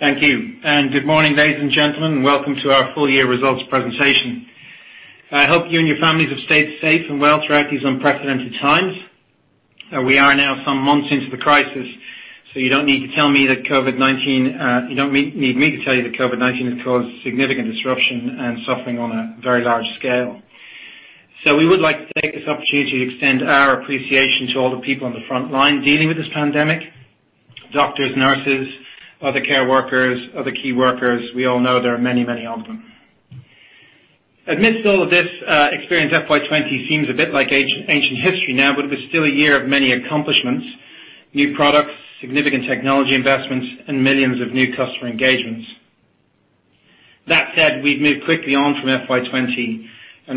Thank you. Good morning, ladies and gentlemen, and welcome to our full year results presentation. I hope you and your families have stayed safe and well throughout these unprecedented times. We are now some months into the crisis, you don't need me to tell you that COVID-19 has caused significant disruption and suffering on a very large scale. We would like to take this opportunity to extend our appreciation to all the people on the front line dealing with this pandemic, doctors, nurses, other care workers, other key workers. We all know there are many of them. Amidst all of this, Experian FY 2020 seems a bit like ancient history now, but it was still a year of many accomplishments, new products, significant technology investments, and millions of new customer engagements. That said, we've moved quickly on from FY 2020.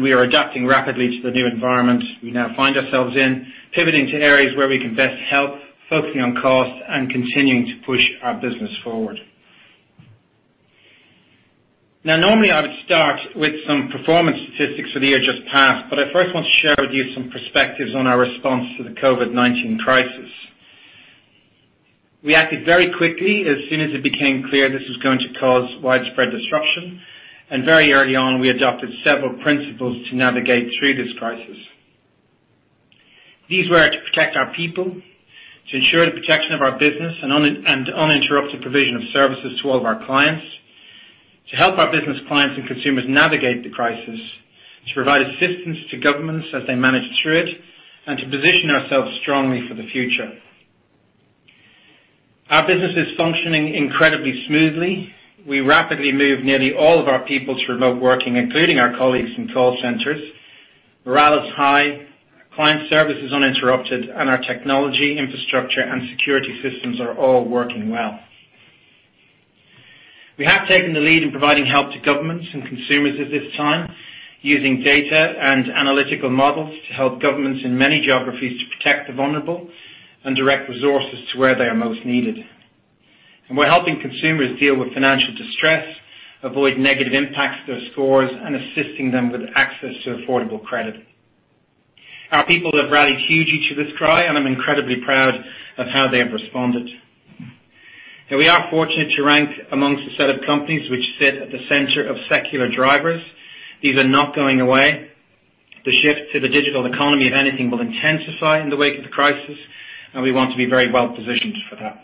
We are adapting rapidly to the new environment we now find ourselves in, pivoting to areas where we can best help, focusing on costs and continuing to push our business forward. Normally, I would start with some performance statistics for the year just passed, I first want to share with you some perspectives on our response to the COVID-19 crisis. We acted very quickly as soon as it became clear this was going to cause widespread disruption. Very early on, we adopted several principles to navigate through this crisis. These were to protect our people, to ensure the protection of our business and uninterrupted provision of services to all of our clients, to help our business clients and consumers navigate the crisis, to provide assistance to governments as they manage through it, and to position ourselves strongly for the future. Our business is functioning incredibly smoothly. We rapidly moved nearly all of our people to remote working, including our colleagues in call centers. Morale is high, client service is uninterrupted and our technology, infrastructure and security systems are all working well. We have taken the lead in providing help to governments and consumers at this time using data and analytical models to help governments in many geographies to protect the vulnerable and direct resources to where they are most needed. We're helping consumers deal with financial distress, avoid negative impacts to their scores, and assisting them with access to affordable credit. Our people have rallied hugely to this cry, and I'm incredibly proud of how they have responded. We are fortunate to rank amongst a set of companies which sit at the center of secular drivers. These are not going away. The shift to the digital economy, if anything, will intensify in the wake of the crisis, and we want to be very well-positioned for that.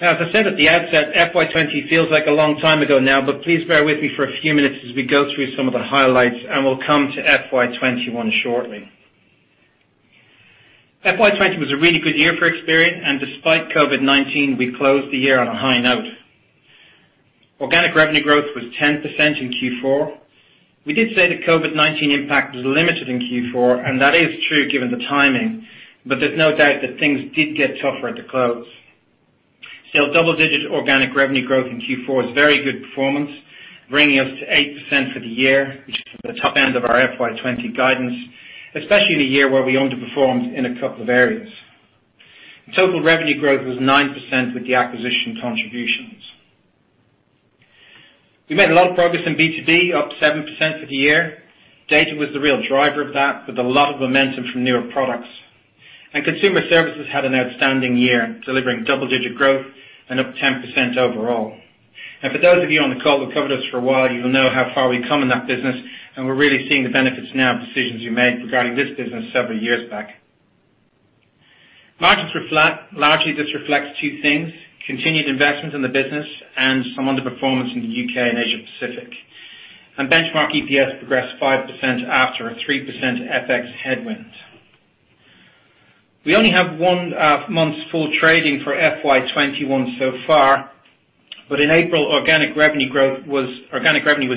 Now, as I said at the outset, FY20 feels like a long time ago now, but please bear with me for a few minutes as we go through some of the highlights, and we'll come to FY21 shortly. FY20 was a really good year for Experian, and despite COVID-19, we closed the year on a high note. Organic revenue growth was 10% in Q4. We did say the COVID-19 impact was limited in Q4. That is true given the timing. There's no doubt that things did get tougher at the close. Still, double-digit organic revenue growth in Q4 is very good performance, bringing us to 8% for the year, which is at the top end of our FY 2020 guidance, especially in a year where we underperformed in a couple of areas. Total revenue growth was 9% with the acquisition contributions. We made a lot of progress in B2B, up 7% for the year. Data was the real driver of that, with a lot of momentum from newer products. Consumer services had an outstanding year delivering double-digit growth and up 10% overall. For those of you on the call who've covered us for a while, you will know how far we've come in that business and we're really seeing the benefits now of decisions we made regarding this business several years back. Margins were flat. Largely, this reflects two things, continued investments in the business and some underperformance in the U.K. and Asia Pacific. Benchmark EPS progressed 5% after a 3% FX headwind. We only have one month's full trading for FY 2021 so far, but in April, organic revenue was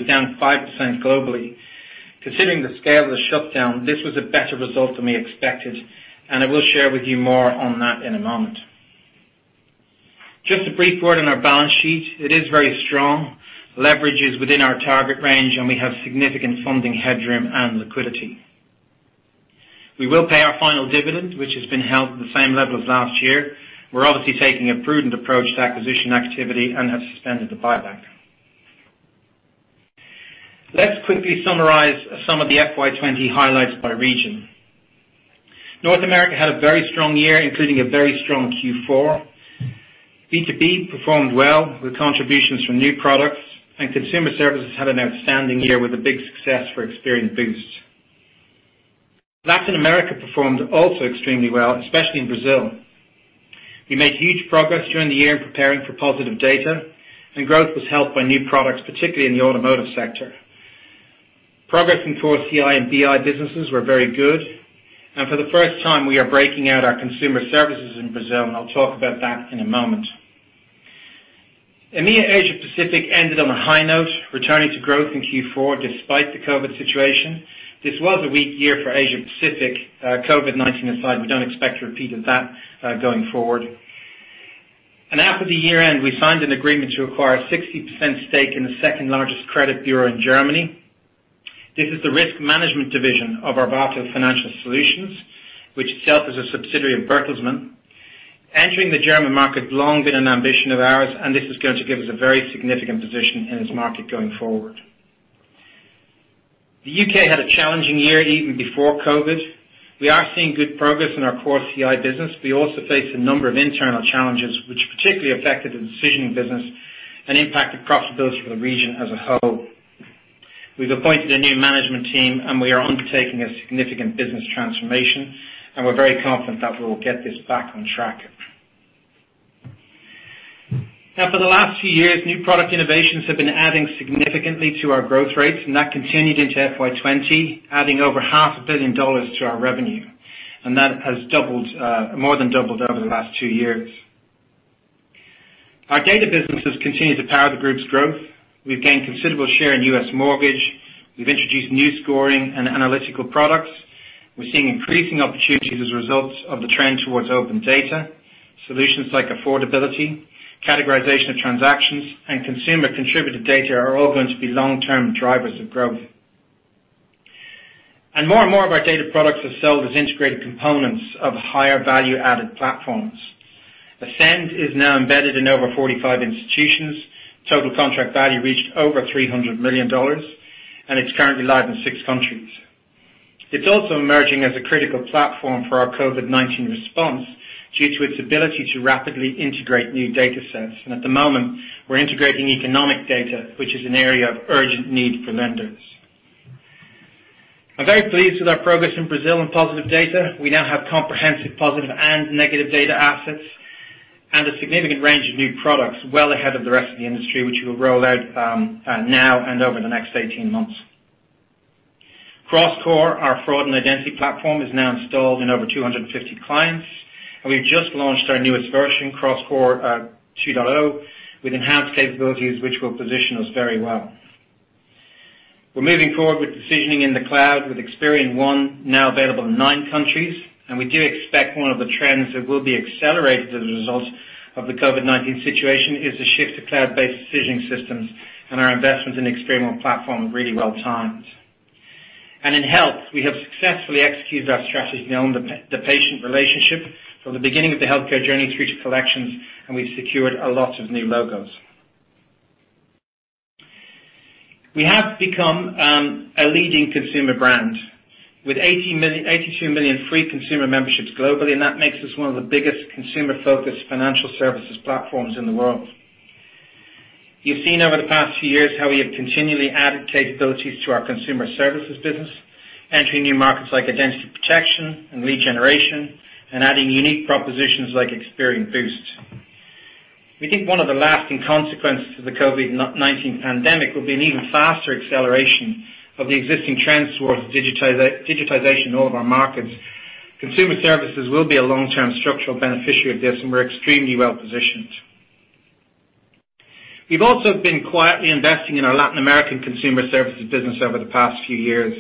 down 5% globally. Considering the scale of the shutdown, this was a better result than we expected, and I will share with you more on that in a moment. Just a brief word on our balance sheet. It is very strong. Leverage is within our target range and we have significant funding headroom and liquidity. We will pay our final dividend, which has been held at the same level as last year. We're obviously taking a prudent approach to acquisition activity and have suspended the buyback. Let's quickly summarize some of the FY 2020 highlights by region. North America had a very strong year, including a very strong Q4. B2B performed well with contributions from new products, and consumer services had an outstanding year with a big success for Experian Boost. Latin America performed also extremely well, especially in Brazil. We made huge progress during the year in preparing for Positive Data, and growth was helped by new products, particularly in the automotive sector. Progress in core CI and BI businesses were very good. For the first time, we are breaking out our consumer services in Brazil, and I'll talk about that in a moment. EMEA/Asia Pacific ended on a high note, returning to growth in Q4 despite the COVID-19 situation. This was a weak year for Asia Pacific. COVID-19 aside, we don't expect a repeat of that going forward. After the year-end, we signed an agreement to acquire a 60% stake in the second-largest credit bureau in Germany. This is the risk management division of Arvato Financial Solutions, which itself is a subsidiary of Bertelsmann. Entering the German market has long been an ambition of ours. This is going to give us a very significant position in this market going forward. The U.K. had a challenging year even before COVID-19. We are seeing good progress in our core CI business. We also face a number of internal challenges, which particularly affected the decisioning business and impacted profitability for the region as a whole. We've appointed a new management team. We are undertaking a significant business transformation. We're very confident that we will get this back on track. For the last few years, new product innovations have been adding significantly to our growth rates. That continued into FY20, adding over half a billion dollars to our revenue. That has more than doubled over the last two years. Our data business has continued to power the group's growth. We've gained considerable share in U.S. mortgage. We've introduced new scoring and analytical products. We're seeing increasing opportunities as a result of the trend towards open banking. Solutions like affordability, categorization of transactions, and consumer-contributed data are all going to be long-term drivers of growth. More and more of our data products are sold as integrated components of higher value-added platforms. Ascend is now embedded in over 45 institutions. Total contract value reached over $300 million. It's currently live in six countries. It's also emerging as a critical platform for our COVID-19 response due to its ability to rapidly integrate new data sets. At the moment, we're integrating economic data, which is an area of urgent need for lenders. I'm very pleased with our progress in Brazil and Positive Data. We now have comprehensive positive and negative data assets and a significant range of new products well ahead of the rest of the industry, which we will roll out now and over the next 18 months. CrossCore, our fraud and identity platform, is now installed in over 250 clients. We've just launched our newest version, CrossCore 2.0, with enhanced capabilities, which will position us very well. We're moving forward with decisioning in the cloud with Experian One now available in nine countries. We do expect one of the trends that will be accelerated as a result of the COVID-19 situation is the shift to cloud-based decisioning systems. Our investment in Experian One platform is really well-timed. In health, we have successfully executed our strategy to own the patient relationship from the beginning of the healthcare journey through to collections, and we've secured a lot of new logos. We have become a leading consumer brand with 82 million free consumer memberships globally, and that makes us one of the biggest consumer-focused financial services platforms in the world. You've seen over the past few years how we have continually added capabilities to our consumer services business, entering new markets like identity protection and lead generation and adding unique propositions like Experian Boost. We think one of the lasting consequences of the COVID-19 pandemic will be an even faster acceleration of the existing trend towards digitization in all of our markets. Consumer services will be a long-term structural beneficiary of this, and we're extremely well-positioned. We've also been quietly investing in our Latin American consumer services business over the past few years.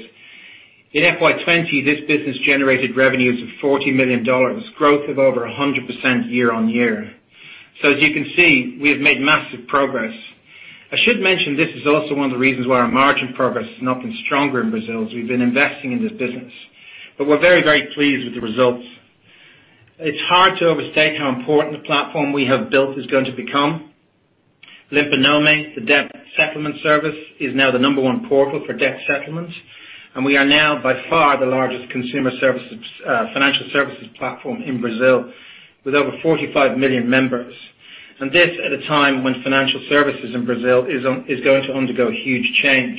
In FY 2020, this business generated revenues of $40 million, growth of over 100% year-on-year. As you can see, we have made massive progress. I should mention this is also one of the reasons why our margin progress has not been stronger in Brazil, as we've been investing in this business. We're very, very pleased with the results. It's hard to overstate how important the platform we have built is going to become. Limpa Nome, the debt settlement service, is now the number one portal for debt settlement, and we are now by far the largest financial services platform in Brazil, with over 45 million members. This at a time when financial services in Brazil is going to undergo huge change.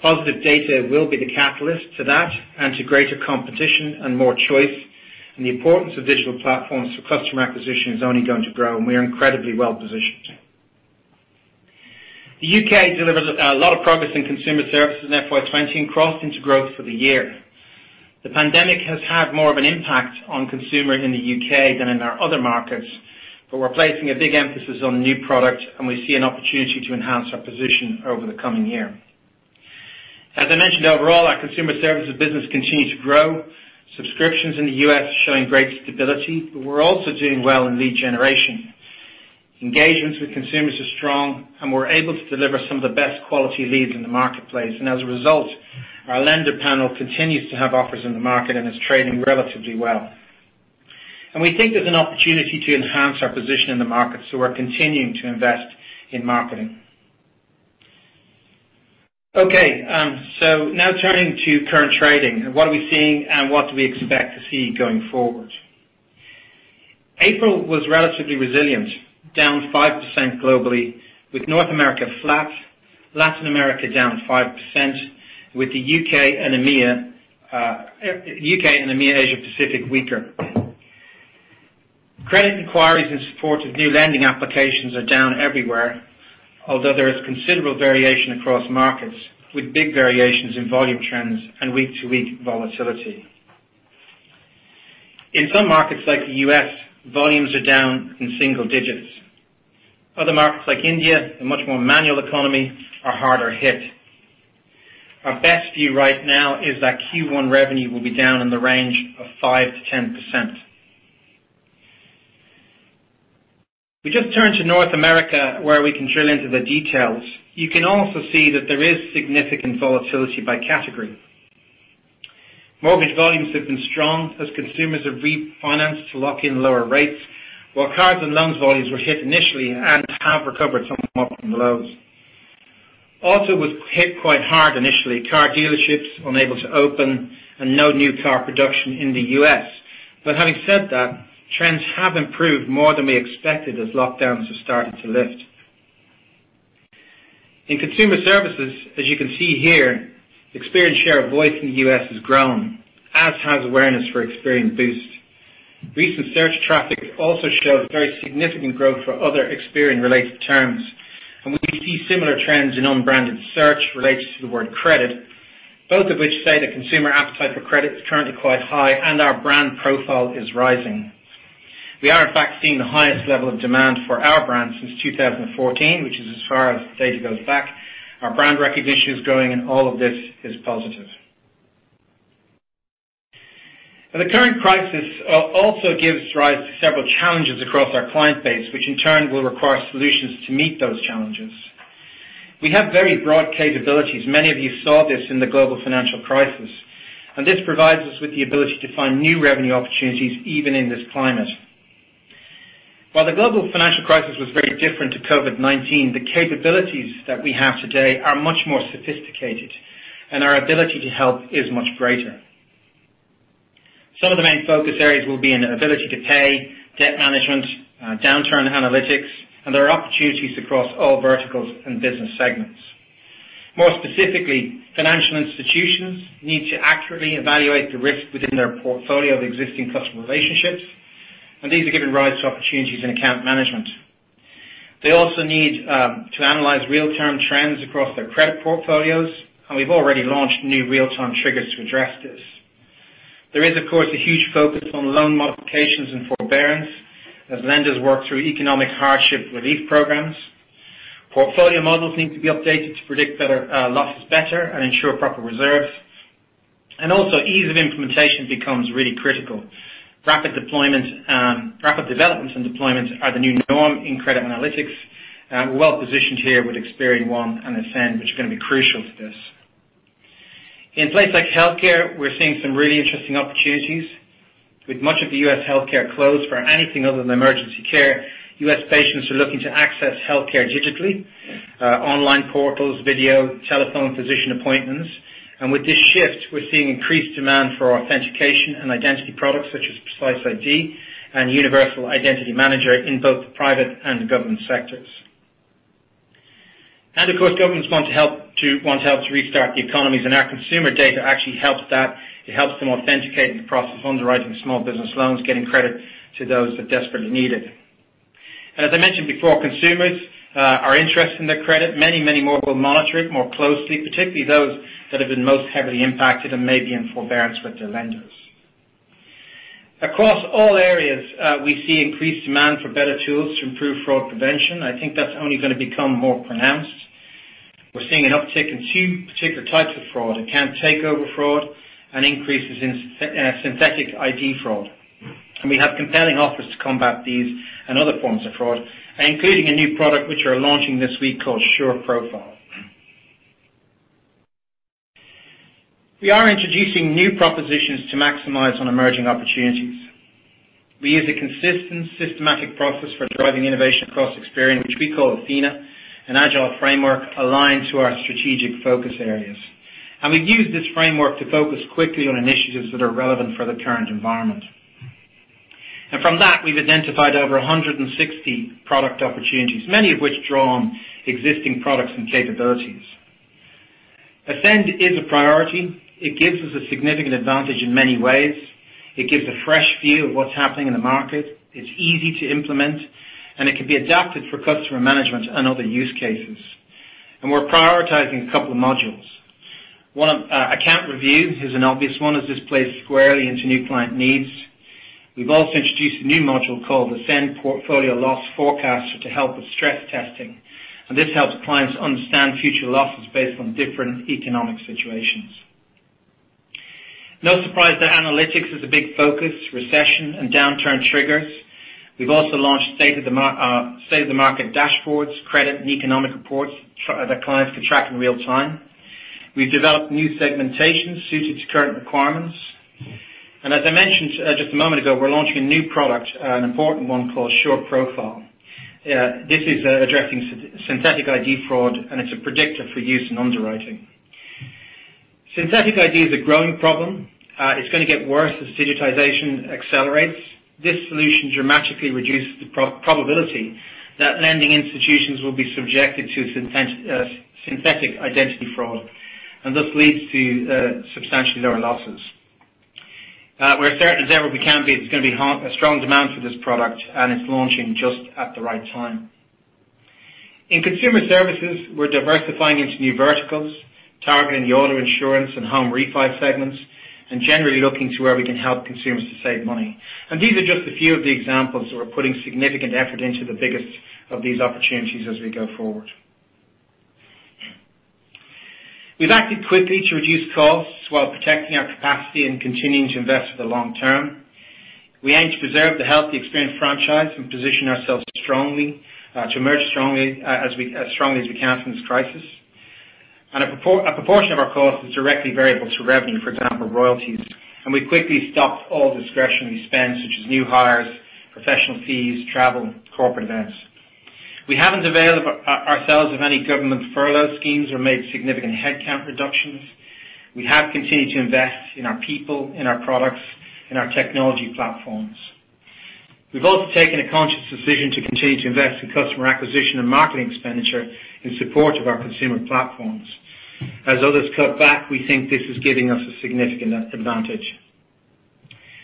Positive Data will be the catalyst for that and to greater competition and more choice, and the importance of digital platforms for customer acquisition is only going to grow, and we are incredibly well-positioned. The U.K. delivers a lot of progress in consumer services in FY 2020 and crossed into growth for the year. The pandemic has had more of an impact on consumer in the U.K. than in our other markets, but we're placing a big emphasis on new product, and we see an opportunity to enhance our position over the coming year. As I mentioned, overall, our consumer services business continued to grow. Subscriptions in the U.S. are showing great stability, but we're also doing well in lead generation. Engagements with consumers are strong, and we're able to deliver some of the best quality leads in the marketplace. As a result, our lender panel continues to have offers in the market and is trading relatively well. We think there's an opportunity to enhance our position in the market, so we're continuing to invest in marketing. Okay, now turning to current trading and what are we seeing and what do we expect to see going forward. April was relatively resilient, down 5% globally, with North America flat, Latin America down 5%, with the U.K. and EMEA/Asia Pacific weaker. Credit inquiries in support of new lending applications are down everywhere, although there is considerable variation across markets, with big variations in volume trends and week-to-week volatility. In some markets like the U.S., volumes are down in single digits. Other markets like India, a much more manual economy, are harder hit. Our best view right now is that Q1 revenue will be down in the range of 5%-10%. We just turn to North America, where we can drill into the details. You can also see that there is significant volatility by category. Mortgage volumes have been strong as consumers have refinanced to lock in lower rates, while cards and loans volumes were hit initially and have recovered somewhat from the lows. Auto was hit quite hard initially. Car dealerships unable to open and no new car production in the U.S. Having said that, trends have improved more than we expected as lockdowns are starting to lift. In consumer services, as you can see here, Experian share of voice in the U.S. has grown, as has awareness for Experian Boost. Recent search traffic also shows very significant growth for other Experian-related terms, and we see similar trends in unbranded search related to the word credit, both of which say the consumer appetite for credit is currently quite high and our brand profile is rising. We are in fact seeing the highest level of demand for our brand since 2014, which is as far as the data goes back. Our brand recognition is growing, and all of this is positive. The current crisis also gives rise to several challenges across our client base, which in turn will require solutions to meet those challenges. We have very broad capabilities. Many of you saw this in the global financial crisis. This provides us with the ability to find new revenue opportunities even in this climate. While the global financial crisis was very different to COVID-19, the capabilities that we have today are much more sophisticated, and our ability to help is much greater. Some of the main focus areas will be in ability to pay, debt management, downturn analytics, and there are opportunities across all verticals and business segments. More specifically, financial institutions need to accurately evaluate the risk within their portfolio of existing customer relationships, and these are giving rise to opportunities in account management. They also need to analyze real-time trends across their credit portfolios, and we've already launched new real-time triggers to address this. There is, of course, a huge focus on loan modifications and forbearance as lenders work through economic hardship relief programs. Portfolio models need to be updated to predict losses better and ensure proper reserves. Also ease of implementation becomes really critical. Rapid development and deployment are the new norm in credit analytics. We're well-positioned here with Experian One and Ascend, which are going to be crucial to this. In places like healthcare, we're seeing some really interesting opportunities. With much of the U.S. healthcare closed for anything other than emergency care, U.S. patients are looking to access healthcare digitally, online portals, video, telephone physician appointments. With this shift, we're seeing increased demand for authentication and identity products such as Precise ID and Universal Identity Manager in both the private and government sectors. Of course, governments want to help to restart the economies, and our consumer data actually helps that. It helps them authenticate and process underwriting small business loans, getting credit to those that desperately need it. As I mentioned before, consumers are interested in their credit. Many more will monitor it more closely, particularly those that have been most heavily impacted and may be in forbearance with their lenders. Across all areas, we see increased demand for better tools to improve fraud prevention. I think that's only going to become more pronounced. We're seeing an uptick in 2 particular types of fraud, account takeover fraud and increases in synthetic ID fraud. We have compelling offers to combat these and other forms of fraud, including a new product which we are launching this week called SureProfile. We are introducing new propositions to maximize on emerging opportunities. We use a consistent, systematic process for driving innovation across Experian, which we call Athena, an agile framework aligned to our strategic focus areas. We've used this framework to focus quickly on initiatives that are relevant for the current environment. From that, we've identified over 160 product opportunities, many of which draw on existing products and capabilities. Ascend is a priority. It gives us a significant advantage in many ways. It gives a fresh view of what's happening in the market. It's easy to implement, and it can be adapted for customer management and other use cases. We're prioritizing a couple of modules. One of them, account review, is an obvious one as this plays squarely into new client needs. We've also introduced a new module called Ascend Portfolio Loss Forecaster to help with stress testing. This helps clients understand future losses based on different economic situations. No surprise that analytics is a big focus, recession and downturn triggers. We've also launched state of the market dashboards, credit and economic reports that clients can track in real time. We've developed new segmentation suited to current requirements. As I mentioned just a moment ago, we're launching a new product, an important one called SureProfile. This is addressing synthetic ID fraud, and it's a predictor for use in underwriting. Synthetic ID is a growing problem. It's going to get worse as digitization accelerates. This solution dramatically reduces the probability that lending institutions will be subjected to synthetic identity fraud, and thus leads to substantially lower losses. We're certain that it's going to be a strong demand for this product, and it's launching just at the right time. In consumer services, we're diversifying into new verticals, targeting the auto insurance and home refi segments, and generally looking to where we can help consumers to save money. These are just a few of the examples, so we're putting significant effort into the biggest of these opportunities as we go forward. We've acted quickly to reduce costs while protecting our capacity and continuing to invest for the long term. We aim to preserve the healthy Experian franchise and position ourselves to emerge as strongly as we can from this crisis. A proportion of our cost is directly variable to revenue, for example, royalties. We quickly stopped all discretionary spends, such as new hires, professional fees, travel, corporate events. We haven't availed ourselves of any government furlough schemes or made significant headcount reductions. We have continued to invest in our people, in our products, in our technology platforms. We've also taken a conscious decision to continue to invest in customer acquisition and marketing expenditure in support of our consumer platforms. As others cut back, we think this is giving us a significant advantage.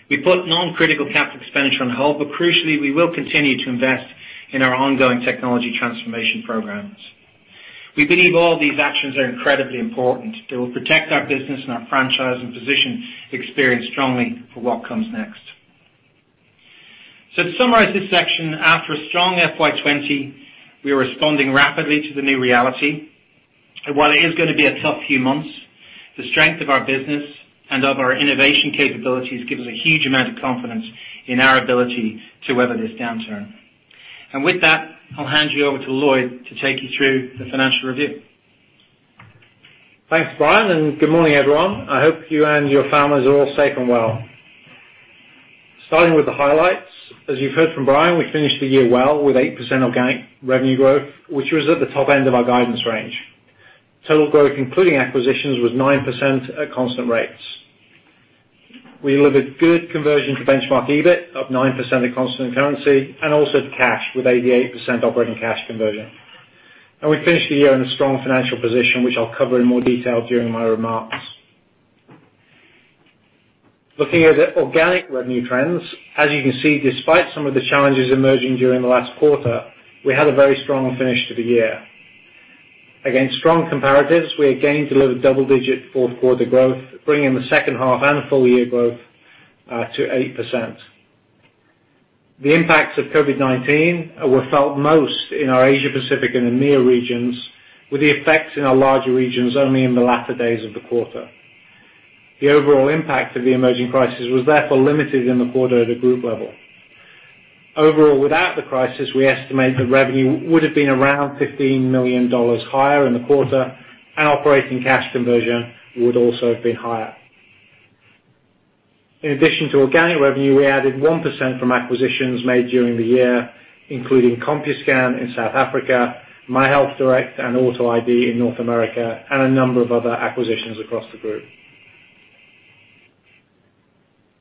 We put non-critical capital expenditure on hold, but crucially, we will continue to invest in our ongoing technology transformation programs. We believe all these actions are incredibly important. They will protect our business and our franchise and position Experian strongly for what comes next. To summarize this section, after a strong FY 2020, we are responding rapidly to the new reality. While it is going to be a tough few months, the strength of our business and of our innovation capabilities gives us a huge amount of confidence in our ability to weather this downturn. With that, I'll hand you over to Lloyd to take you through the financial review. Thanks, Brian. Good morning, everyone. I hope you and your families are all safe and well. Starting with the highlights, as you've heard from Brian, we finished the year well with 8% organic revenue growth, which was at the top end of our guidance range. Total growth, including acquisitions, was 9% at constant rates. We delivered good conversion to benchmark EBIT of 9% in constant currency and also to cash with 88% operating cash conversion. We finished the year in a strong financial position, which I'll cover in more detail during my remarks. Looking at the organic revenue trends, as you can see, despite some of the challenges emerging during the last quarter, we had a very strong finish to the year. Against strong comparatives, we again delivered double-digit fourth quarter growth, bringing the second half and full year growth to 8%. The impacts of COVID-19 were felt most in our Asia-Pacific and EMEA regions, with the effects in our larger regions only in the latter days of the quarter. The overall impact of the emerging crisis was therefore limited in the quarter at a group level. Overall, without the crisis, we estimate the revenue would have been around $15 million higher in the quarter, and operating cash conversion would also have been higher. In addition to organic revenue, we added 1% from acquisitions made during the year, including Compuscan in South Africa, MyHealthDirect and Auto ID in North America, and a number of other acquisitions across the group.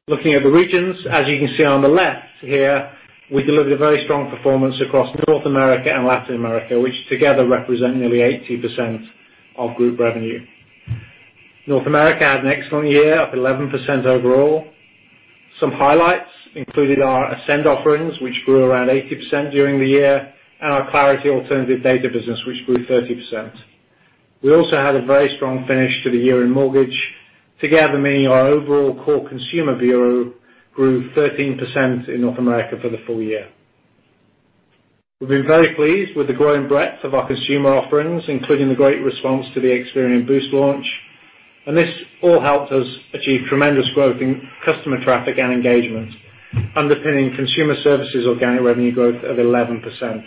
Looking at the regions, as you can see on the left here, we delivered a very strong performance across North America and Latin America, which together represent nearly 80% of group revenue. North America had an excellent year, up 11% overall. Some highlights included our Ascend offerings, which grew around 80% during the year, and our Clarity alternative data business, which grew 30%. We also had a very strong finish to the year in mortgage, together meaning our overall core consumer bureau grew 13% in North America for the full year. We've been very pleased with the growing breadth of our consumer offerings, including the great response to the Experian Boost launch. This all helped us achieve tremendous growth in customer traffic and engagement, underpinning consumer services organic revenue growth of 11%.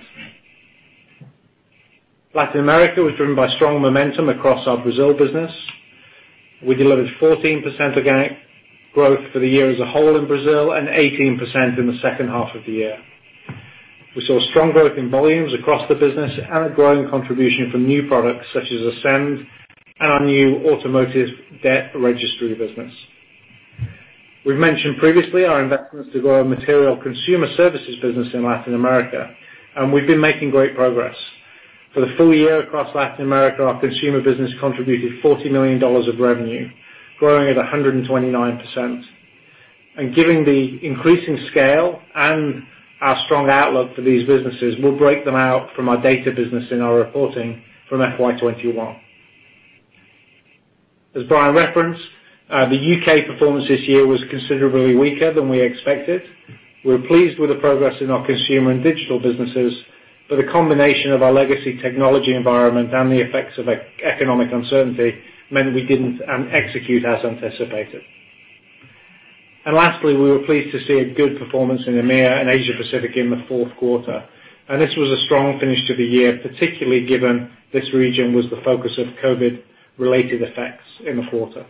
Latin America was driven by strong momentum across our Brazil business. We delivered 14% organic growth for the year as a whole in Brazil and 18% in the second half of the year. We saw strong growth in volumes across the business and a growing contribution from new products such as Ascend and our new automotive debt registry business. We've mentioned previously our investments to grow our material consumer services business in Latin America, and we've been making great progress. For the full year across Latin America, our consumer business contributed $40 million of revenue, growing at 129%. Given the increasing scale and our strong outlook for these businesses, we'll break them out from our data business in our reporting from FY 2021. As Brian referenced, the U.K. performance this year was considerably weaker than we expected. We're pleased with the progress in our consumer and digital businesses, but a combination of our legacy technology environment and the effects of economic uncertainty meant we didn't execute as anticipated. Lastly, we were pleased to see a good performance in EMEA and Asia-Pacific in the fourth quarter. This was a strong finish to the year, particularly given this region was the focus of COVID related effects in the quarter.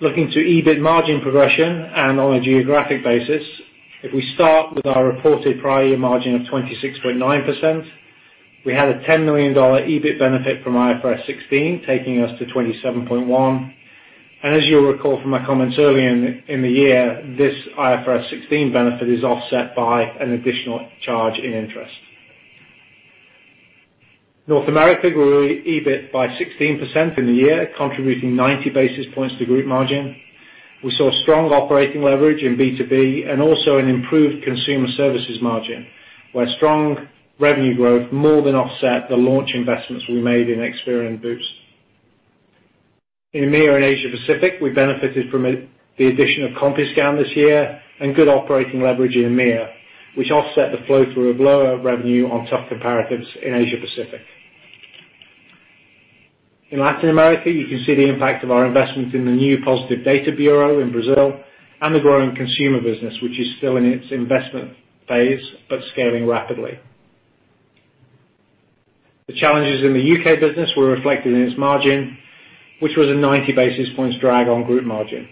Looking to EBIT margin progression on a geographic basis, if we start with our reported prior year margin of 26.9%, we had a $10 million EBIT benefit from IFRS 16, taking us to 27.1%. As you'll recall from my comments earlier in the year, this IFRS 16 benefit is offset by an additional charge in interest. North America grew EBIT by 16% in the year, contributing 90 basis points to group margin. We saw strong operating leverage in B2B and also an improved consumer services margin, where strong revenue growth more than offset the launch investments we made in Experian Boost. In EMEA/Asia Pacific, we benefited from the addition of Compuscan this year and good operating leverage in EMEA, which offset the flow through of lower revenue on tough comparatives in Asia Pacific. In Latin America, you can see the impact of our investment in the new Positive Data Bureau in Brazil and the growing consumer business, which is still in its investment phase, but scaling rapidly. The challenges in the U.K. business were reflected in its margin, which was a 90 basis points drag on group margin.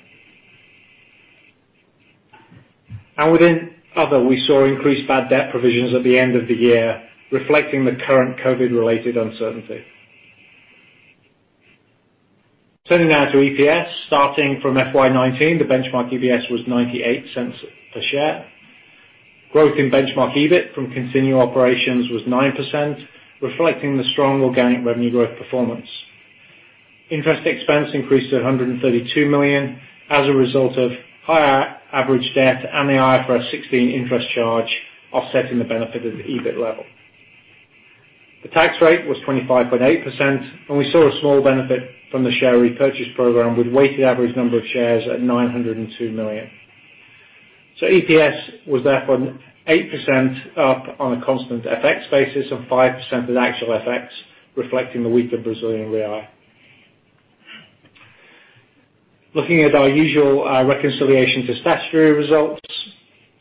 Within other, we saw increased bad debt provisions at the end of the year, reflecting the current COVID-19 related uncertainty. Turning now to EPS. Starting from FY 2019, the benchmark EPS was $0.98 per share. Growth in benchmark EBIT from continuing operations was 9%, reflecting the strong organic revenue growth performance. Interest expense increased to $132 million as a result of higher average debt and the IFRS 16 interest charge offsetting the benefit of the EBIT level. The tax rate was 25.8%, and we saw a small benefit from the share repurchase program with weighted average number of shares at 902 million. EPS was therefore 8% up on a constant FX basis and 5% with actual FX, reflecting the weaker Brazilian real. Looking at our usual reconciliation to statutory results.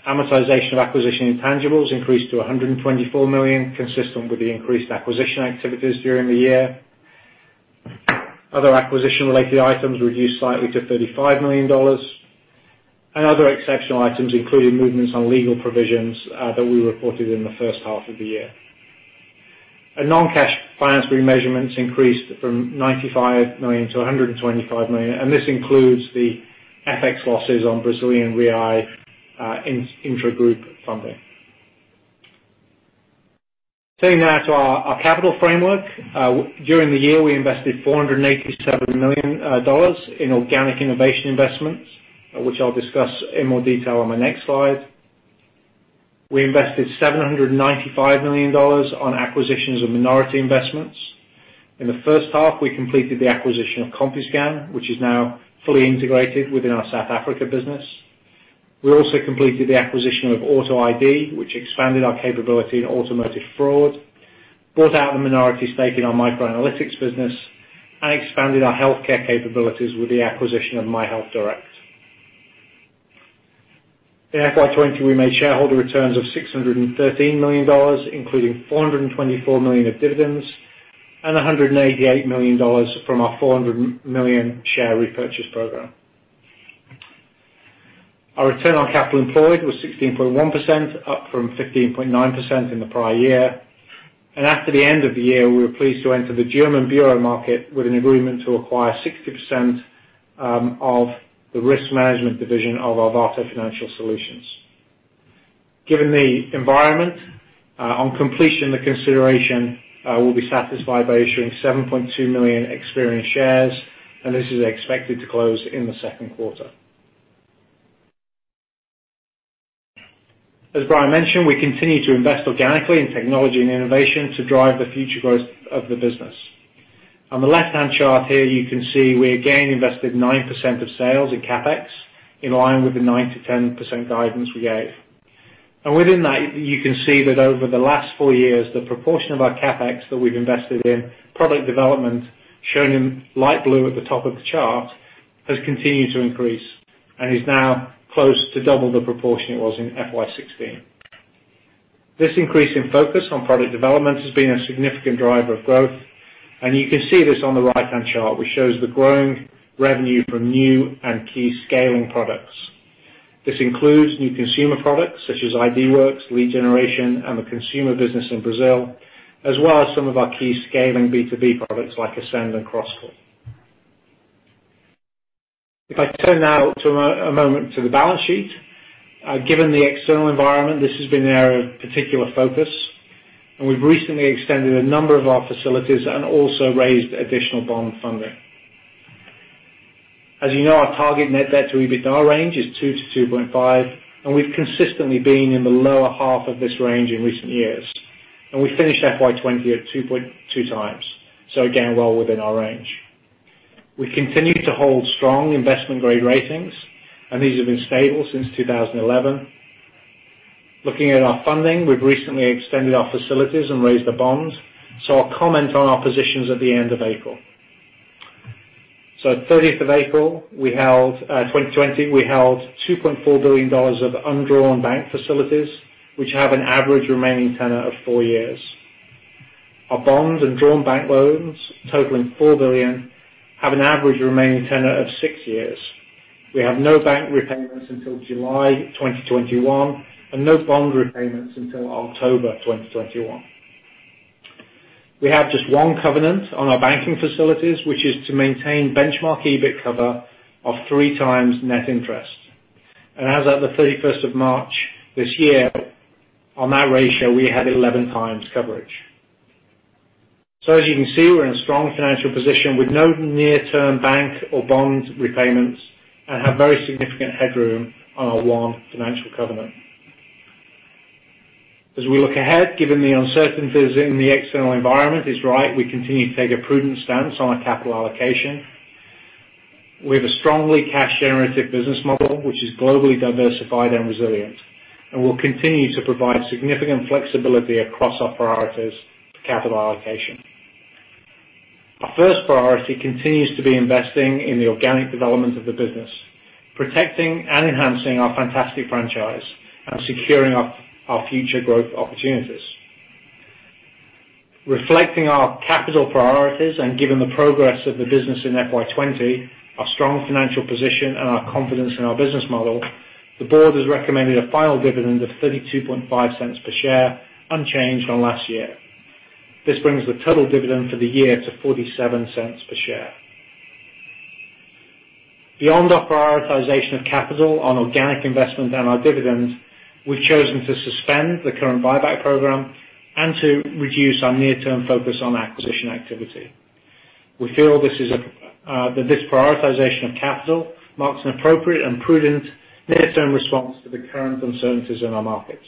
Amortization of acquisition intangibles increased to $124 million, consistent with the increased acquisition activities during the year. Other acquisition-related items reduced slightly to $35 million. Other exceptional items, including movements on legal provisions that we reported in the first half of the year, and non-cash financial remeasurements increased from $95 million to $125 million, and this includes the FX losses on Brazilian real intragroup funding. Turning now to our capital framework. During the year, we invested $487 million in organic innovation investments, which I'll discuss in more detail on my next slide. We invested $795 million on acquisitions of minority investments. In the first half, we completed the acquisition of Compuscan, which is now fully integrated within our South Africa business. We also completed the acquisition of Auto ID, which expanded our capability in automotive fraud, bought out the minority stake in our microanalytics business, and expanded our healthcare capabilities with the acquisition of MyHealthDirect. In FY 2020, we made shareholder returns of $613 million, including $424 million of dividends and $188 million from our $400 million share repurchase program. Our return on capital employed was 16.1%, up from 15.9% in the prior year. After the end of the year, we were pleased to enter the German bureau market with an agreement to acquire 60% of the risk management division of Arvato Financial Solutions. Given the environment, on completion the consideration will be satisfied by issuing 7.2 million Experian shares, and this is expected to close in the second quarter. As Brian mentioned, we continue to invest organically in technology and innovation to drive the future growth of the business. On the left-hand chart here, you can see we again invested 9% of sales in CapEx, in line with the 9%-10% guidance we gave. Within that, you can see that over the last four years, the proportion of our CapEx that we've invested in product development, shown in light blue at the top of the chart, has continued to increase and is now close to double the proportion it was in FY 2016. This increase in focus on product development has been a significant driver of growth, and you can see this on the right-hand chart, which shows the growing revenue from new and key scaling products. This includes new consumer products such as IdentityWorks, Lead Generation, and the consumer business in Brazil, as well as some of our key scaling B2B products like Ascend and CrossCore. If I turn now a moment to the balance sheet. Given the external environment, this has been our particular focus, and we've recently extended a number of our facilities and also raised additional bond funding. As you know, our target net debt to EBITDA range is 2 to 2.5, we've consistently been in the lower half of this range in recent years. We finished FY 2020 at 2.2 times. Again, well within our range. We continue to hold strong investment-grade ratings, and these have been stable since 2011. Looking at our funding, we've recently extended our facilities and raised the bonds. I'll comment on our positions at the end of April. At 30th of April 2020, we held $2.4 billion of undrawn bank facilities, which have an average remaining tenor of four years. Our bonds and drawn bank loans totaling $4 billion have an average remaining tenor of six years. We have no bank repayments until July 2021 and no bond repayments until October 2021. We have just one covenant on our banking facilities, which is to maintain benchmark EBIT cover of three times net interest. As at the 31st of March this year, on that ratio, we had 11 times coverage. As you can see, we're in a strong financial position with no near-term bank or bond repayments and have very significant headroom on our one financial covenant. As we look ahead, given the uncertainties in the external environment is right, we continue to take a prudent stance on our capital allocation. We have a strongly cash generative business model, which is globally diversified and resilient, and will continue to provide significant flexibility across our priorities for capital allocation. Our first priority continues to be investing in the organic development of the business, protecting and enhancing our fantastic franchise and securing our future growth opportunities. Reflecting our capital priorities and given the progress of the business in FY 2020, our strong financial position, and our confidence in our business model, the board has recommended a final dividend of $0.325 per share, unchanged on last year. This brings the total dividend for the year to $0.47 per share. Beyond our prioritization of capital on organic investment and our dividends, we've chosen to suspend the current buyback program and to reduce our near-term focus on acquisition activity. We feel that this prioritization of capital marks an appropriate and prudent near-term response to the current uncertainties in our markets.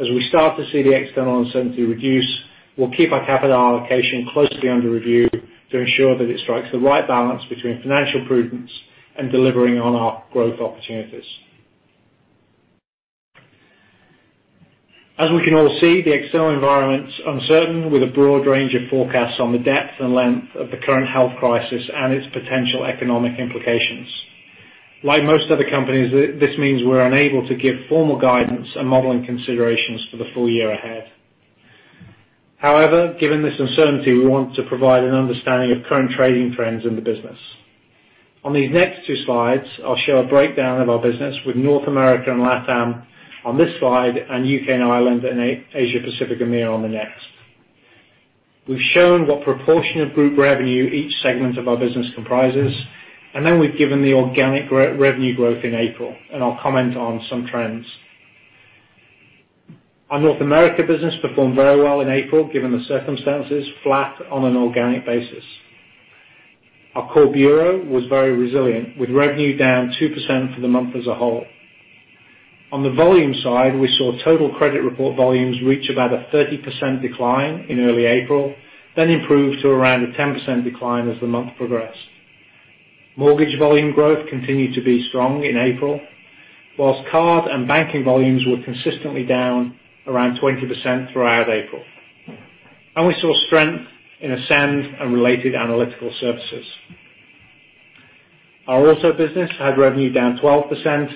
As we start to see the external uncertainty reduce, we'll keep our capital allocation closely under review to ensure that it strikes the right balance between financial prudence and delivering on our growth opportunities. As we can all see, the external environment's uncertain, with a broad range of forecasts on the depth and length of the current health crisis and its potential economic implications. Like most other companies, this means we're unable to give formal guidance and modeling considerations for the full year ahead. Given this uncertainty, we want to provide an understanding of current trading trends in the business. On these next two slides, I'll show a breakdown of our business with North America and LATAM on this slide and U.K. and Ireland and Asia Pacific EMEA on the next. We've shown what proportion of group revenue each segment of our business comprises, and then we've given the organic revenue growth in April, and I'll comment on some trends. Our North America business performed very well in April, given the circumstances, flat on an organic basis. Our core bureau was very resilient, with revenue down 2% for the month as a whole. On the volume side, we saw total credit report volumes reach about a 30% decline in early April, then improve to around a 10% decline as the month progressed. Mortgage volume growth continued to be strong in April, whilst card and banking volumes were consistently down around 20% throughout April. We saw strength in Ascend and related analytical services. Our Auto business had revenue down 12%,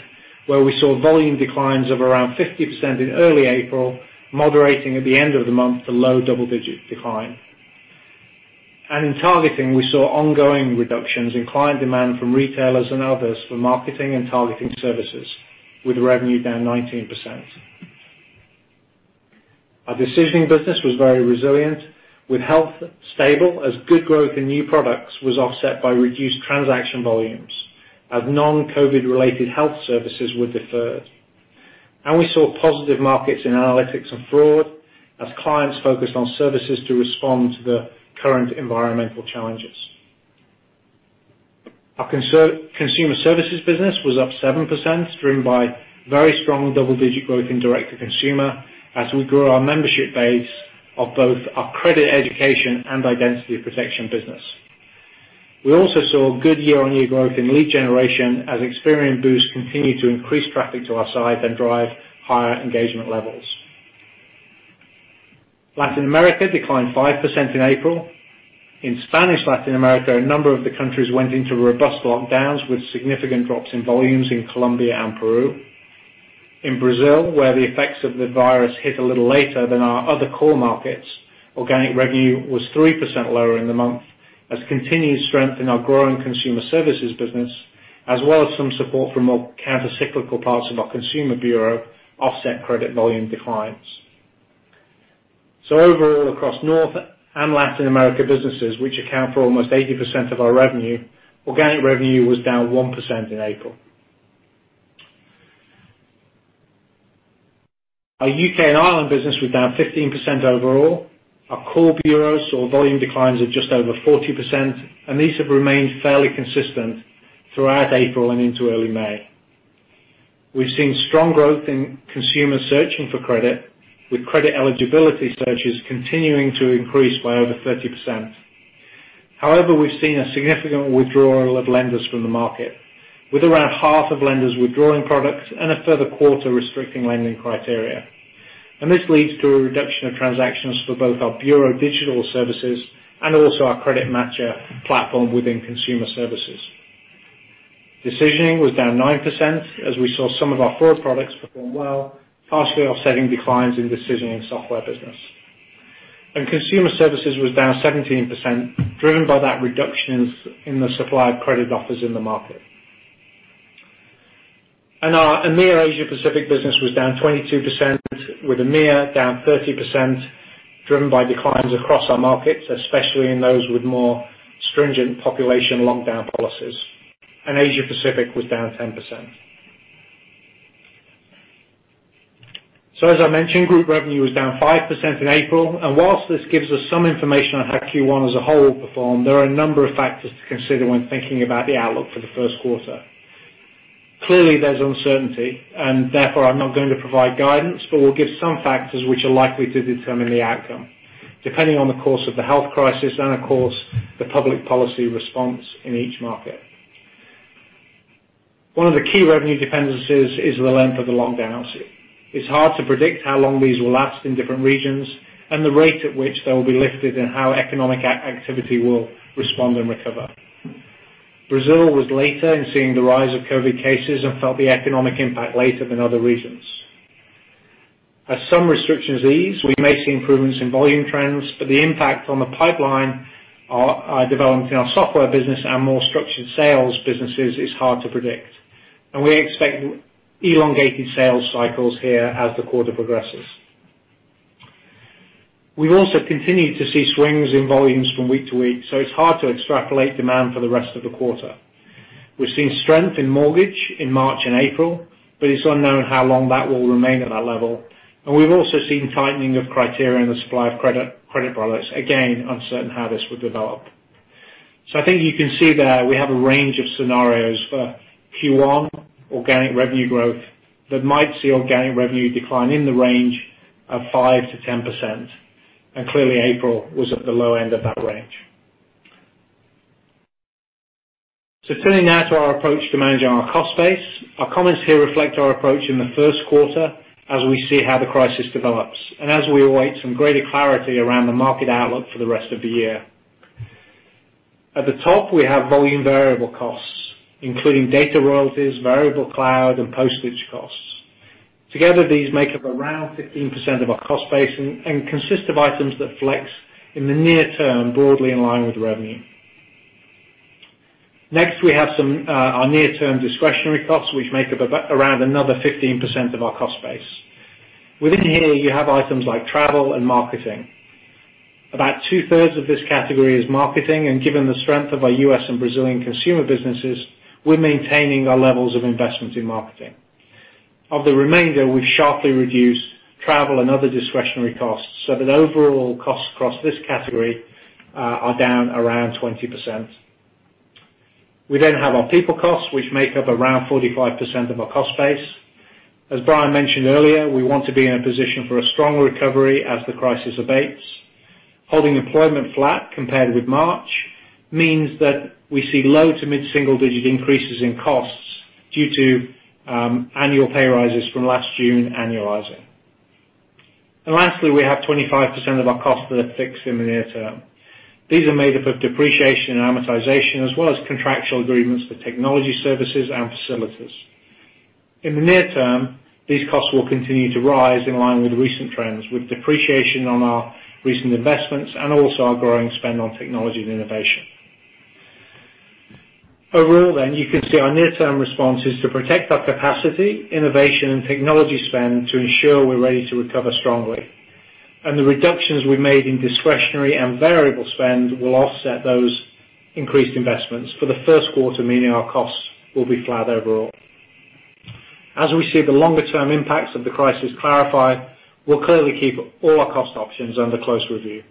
where we saw volume declines of around 50% in early April, moderating at the end of the month to low double-digit decline. In targeting, we saw ongoing reductions in client demand from retailers and others for marketing and targeting services, with revenue down 19%. Our decisioning business was very resilient, with health stable as good growth in new products was offset by reduced transaction volumes as non-COVID related health services were deferred. We saw positive markets in analytics and fraud as clients focused on services to respond to the current environmental challenges. Our consumer services business was up 7%, driven by very strong double-digit growth in direct to consumer as we grew our membership base of both our credit education and identity protection business. We also saw good year-over-year growth in lead generation as Experian Boost continued to increase traffic to our site then drive higher engagement levels. Latin America declined 5% in April. In Spanish Latin America, a number of the countries went into robust lockdowns, with significant drops in volumes in Colombia and Peru. In Brazil, where the effects of the virus hit a little later than our other core markets, organic revenue was 3% lower in the month as continued strength in our growing consumer services business, as well as some support from more counter-cyclical parts of our consumer bureau, offset credit volume declines. Overall, across North and Latin America businesses, which account for almost 80% of our revenue, organic revenue was down 1% in April. Our U.K. and Ireland business was down 15% overall. Our core bureaus saw volume declines of just over 40%, and these have remained fairly consistent throughout April and into early May. We've seen strong growth in consumers searching for credit, with credit eligibility searches continuing to increase by over 30%. However, we've seen a significant withdrawal of lenders from the market, with around half of lenders withdrawing product and a further quarter restricting lending criteria. This leads to a reduction of transactions for both our bureau digital services and also our CreditMatcher platform within consumer services. Decisioning was down 9% as we saw some of our fraud products perform well, partially offsetting declines in decisioning software business. Consumer services was down 17%, driven by that reduction in the supply of credit offers in the market. Our EMEA/Asia Pacific business was down 22%, with EMEA down 30%, driven by declines across our markets, especially in those with more stringent population lockdown policies. Asia Pacific was down 10%. As I mentioned, group revenue was down 5% in April. Whilst this gives us some information on how Q1 as a whole will perform, there are a number of factors to consider when thinking about the outlook for the first quarter. Clearly there's uncertainty, and therefore I'm not going to provide guidance, but we'll give some factors which are likely to determine the outcome, depending on the course of the health crisis and, of course, the public policy response in each market. One of the key revenue dependencies is the length of the lockdowns. It's hard to predict how long these will last in different regions and the rate at which they will be lifted and how economic activity will respond and recover. Brazil was later in seeing the rise of COVID-19 cases and felt the economic impact later than other regions. As some restrictions ease, we may see improvements in volume trends, but the impact on the pipeline are developing in our software business and more structured sales businesses is hard to predict, and we expect elongated sales cycles here as the quarter progresses. We've also continued to see swings in volumes from week to week, so it's hard to extrapolate demand for the rest of the quarter. We've seen strength in mortgage in March and April, but it's unknown how long that will remain at that level. We've also seen tightening of criteria in the supply of credit products. Again, uncertain how this will develop. I think you can see there we have a range of scenarios for Q1 organic revenue growth that might see organic revenue decline in the range of 5%-10%. Clearly April was at the low end of that range. Turning now to our approach to managing our cost base. Our comments here reflect our approach in the first quarter as we see how the crisis develops and as we await some greater clarity around the market outlook for the rest of the year. At the top, we have volume variable costs, including data royalties, variable cloud, and postage costs. Together, these make up around 15% of our cost base and consist of items that flex in the near term broadly in line with revenue. Next, we have our near-term discretionary costs, which make up around another 15% of our cost base. Within here, you have items like travel and marketing. About two-thirds of this category is marketing, and given the strength of our U.S. and Brazilian consumer businesses, we're maintaining our levels of investment in marketing. Of the remainder, we've sharply reduced travel and other discretionary costs so that overall costs across this category are down around 20%. We have our people costs, which make up around 45% of our cost base. As Brian mentioned earlier, we want to be in a position for a strong recovery as the crisis abates. Holding employment flat compared with March means that we see low to mid-single digit increases in costs due to annual pay rises from last June annualizing. Lastly, we have 25% of our costs that are fixed in the near term. These are made up of depreciation and amortization, as well as contractual agreements for technology services and facilities. In the near term, these costs will continue to rise in line with recent trends, with depreciation on our recent investments and also our growing spend on technology and innovation. Overall, you can see our near-term response is to protect our capacity, innovation, and technology spend to ensure we're ready to recover strongly. The reductions we've made in discretionary and variable spend will offset those increased investments for the first quarter, meaning our costs will be flat overall. As we see the longer-term impacts of the crisis clarify, we'll clearly keep all our cost options under close review.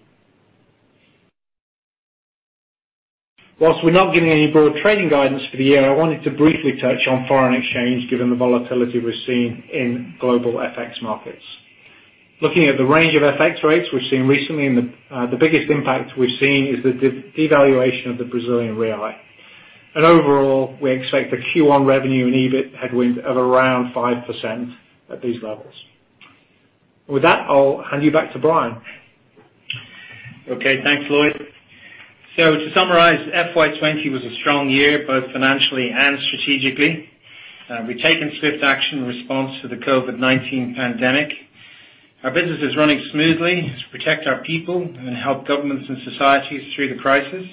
While we're not giving any broad trading guidance for the year, I wanted to briefly touch on foreign exchange given the volatility we're seeing in global FX markets. Looking at the range of FX rates we've seen recently, the biggest impact we've seen is the devaluation of the Brazilian real. Overall, we expect a Q1 revenue and EBIT headwind of around 5% at these levels. With that, I'll hand you back to Brian. Okay. Thanks, Lloyd. To summarize, FY 2020 was a strong year, both financially and strategically. We've taken swift action in response to the COVID-19 pandemic. Our business is running smoothly to protect our people and help governments and societies through the crisis.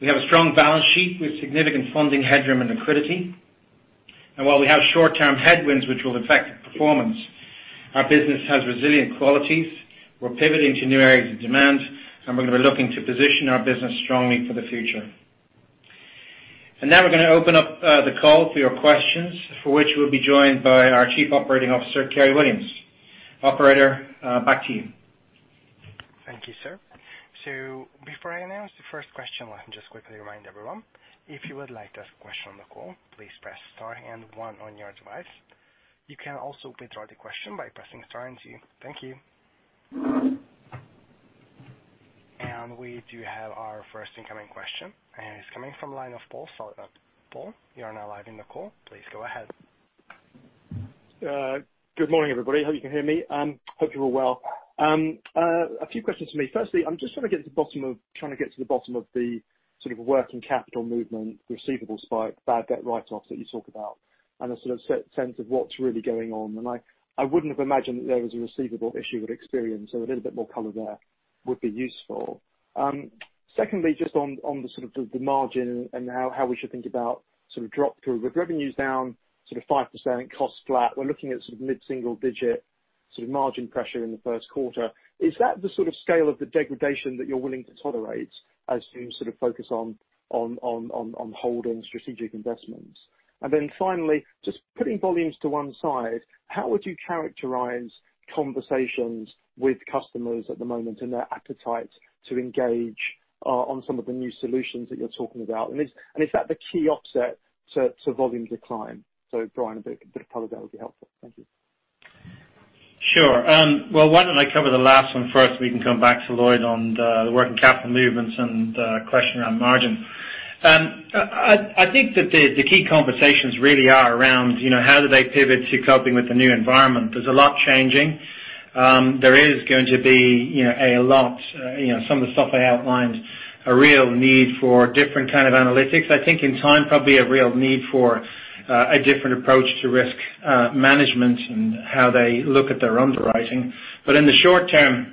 We have a strong balance sheet with significant funding headroom and liquidity. While we have short-term headwinds which will affect performance, our business has resilient qualities. We're pivoting to new areas of demand, and we're going to be looking to position our business strongly for the future. Now we're going to open up the call for your questions, for which we'll be joined by our Chief Operating Officer, Kerry Williams. Operator, back to you. Thank you, sir. Before I announce the first question, let me just quickly remind everyone, if you would like to ask a question on the call, please press star and one on your device. You can also withdraw the question by pressing star and two. Thank you. We do have our first incoming question, and it's coming from line of Paul. Paul, you are now live in the call. Please go ahead. Good morning, everybody. Hope you can hear me. Hope you're all well. A few questions from me. Firstly, I'm just trying to get to the bottom of the working capital movement, receivables spike, bad debt write-offs that you talk about and a sort of sense of what's really going on. I wouldn't have imagined that there was a receivable issue with Experian, so a little bit more color there would be useful. Secondly, just on the margin and how we should think about drop through. With revenues down 5%, costs flat, we're looking at mid-single digit margin pressure in the first quarter. Is that the scale of the degradation that you're willing to tolerate as you focus on holding strategic investments? Finally, just putting volumes to one side, how would you characterize conversations with customers at the moment and their appetite to engage on some of the new solutions that you're talking about? Is that the key offset to volume decline? Brian, a bit of color there would be helpful. Thank you. Sure. Well, why don't I cover the last one first? We can come back to Lloyd on the working capital movements and the question around margin. I think that the key conversations really are around how do they pivot to coping with the new environment. There's a lot changing. There is going to be a lot, some of the stuff I outlined, a real need for different kind of analytics. I think in time probably a real need for a different approach to risk management and how they look at their underwriting. In the short term,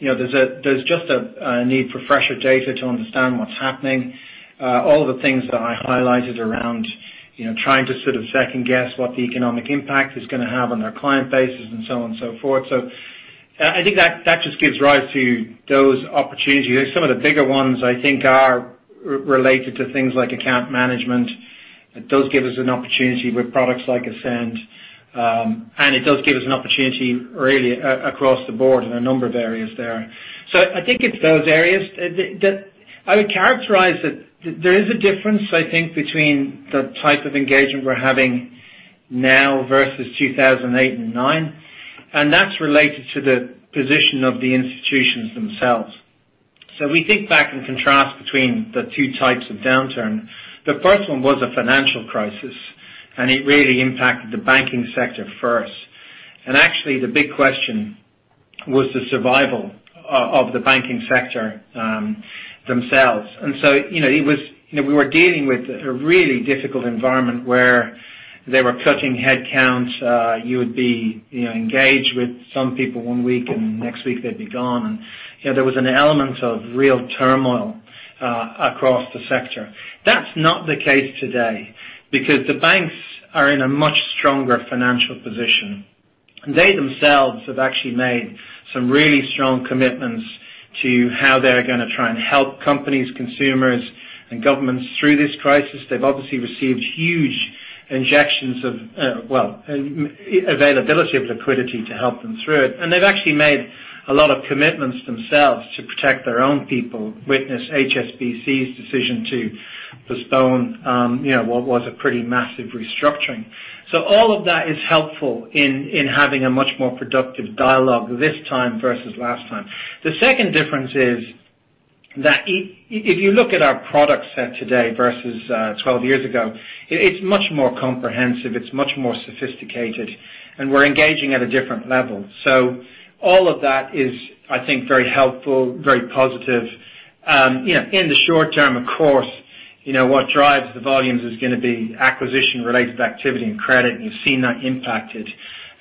there's just a need for fresher data to understand what's happening. All the things that I highlighted around trying to sort of second-guess what the economic impact is going to have on our client bases and so on and so forth. I think that just gives rise to those opportunities. Some of the bigger ones, I think, are related to things like account management. It does give us an opportunity with products like Ascend. It does give us an opportunity really across the board in a number of areas there. I think it's those areas. I would characterize that there is a difference, I think, between the type of engagement we're having now versus 2008 and 2009, and that's related to the position of the institutions themselves. We think back and contrast between the two types of downturn. The first one was a financial crisis, and it really impacted the banking sector first. Actually, the big question was the survival of the banking sector themselves. We were dealing with a really difficult environment where they were cutting headcounts. You would be engaged with some people one week, and next week they'd be gone. There was an element of real turmoil across the sector. That's not the case today because the banks are in a much stronger financial position. They themselves have actually made some really strong commitments to how they're going to try and help companies, consumers, and governments through this crisis. They've obviously received huge injections of well, availability of liquidity to help them through it. They've actually made a lot of commitments themselves to protect their own people. Witness HSBC's decision to postpone what was a pretty massive restructuring. All of that is helpful in having a much more productive dialogue this time versus last time. The second difference is that if you look at our product set today versus 12 years ago, it's much more comprehensive, it's much more sophisticated, and we're engaging at a different level. All of that is, I think, very helpful, very positive. In the short term, of course, what drives the volumes is going to be acquisition-related activity and credit. You've seen that impacted.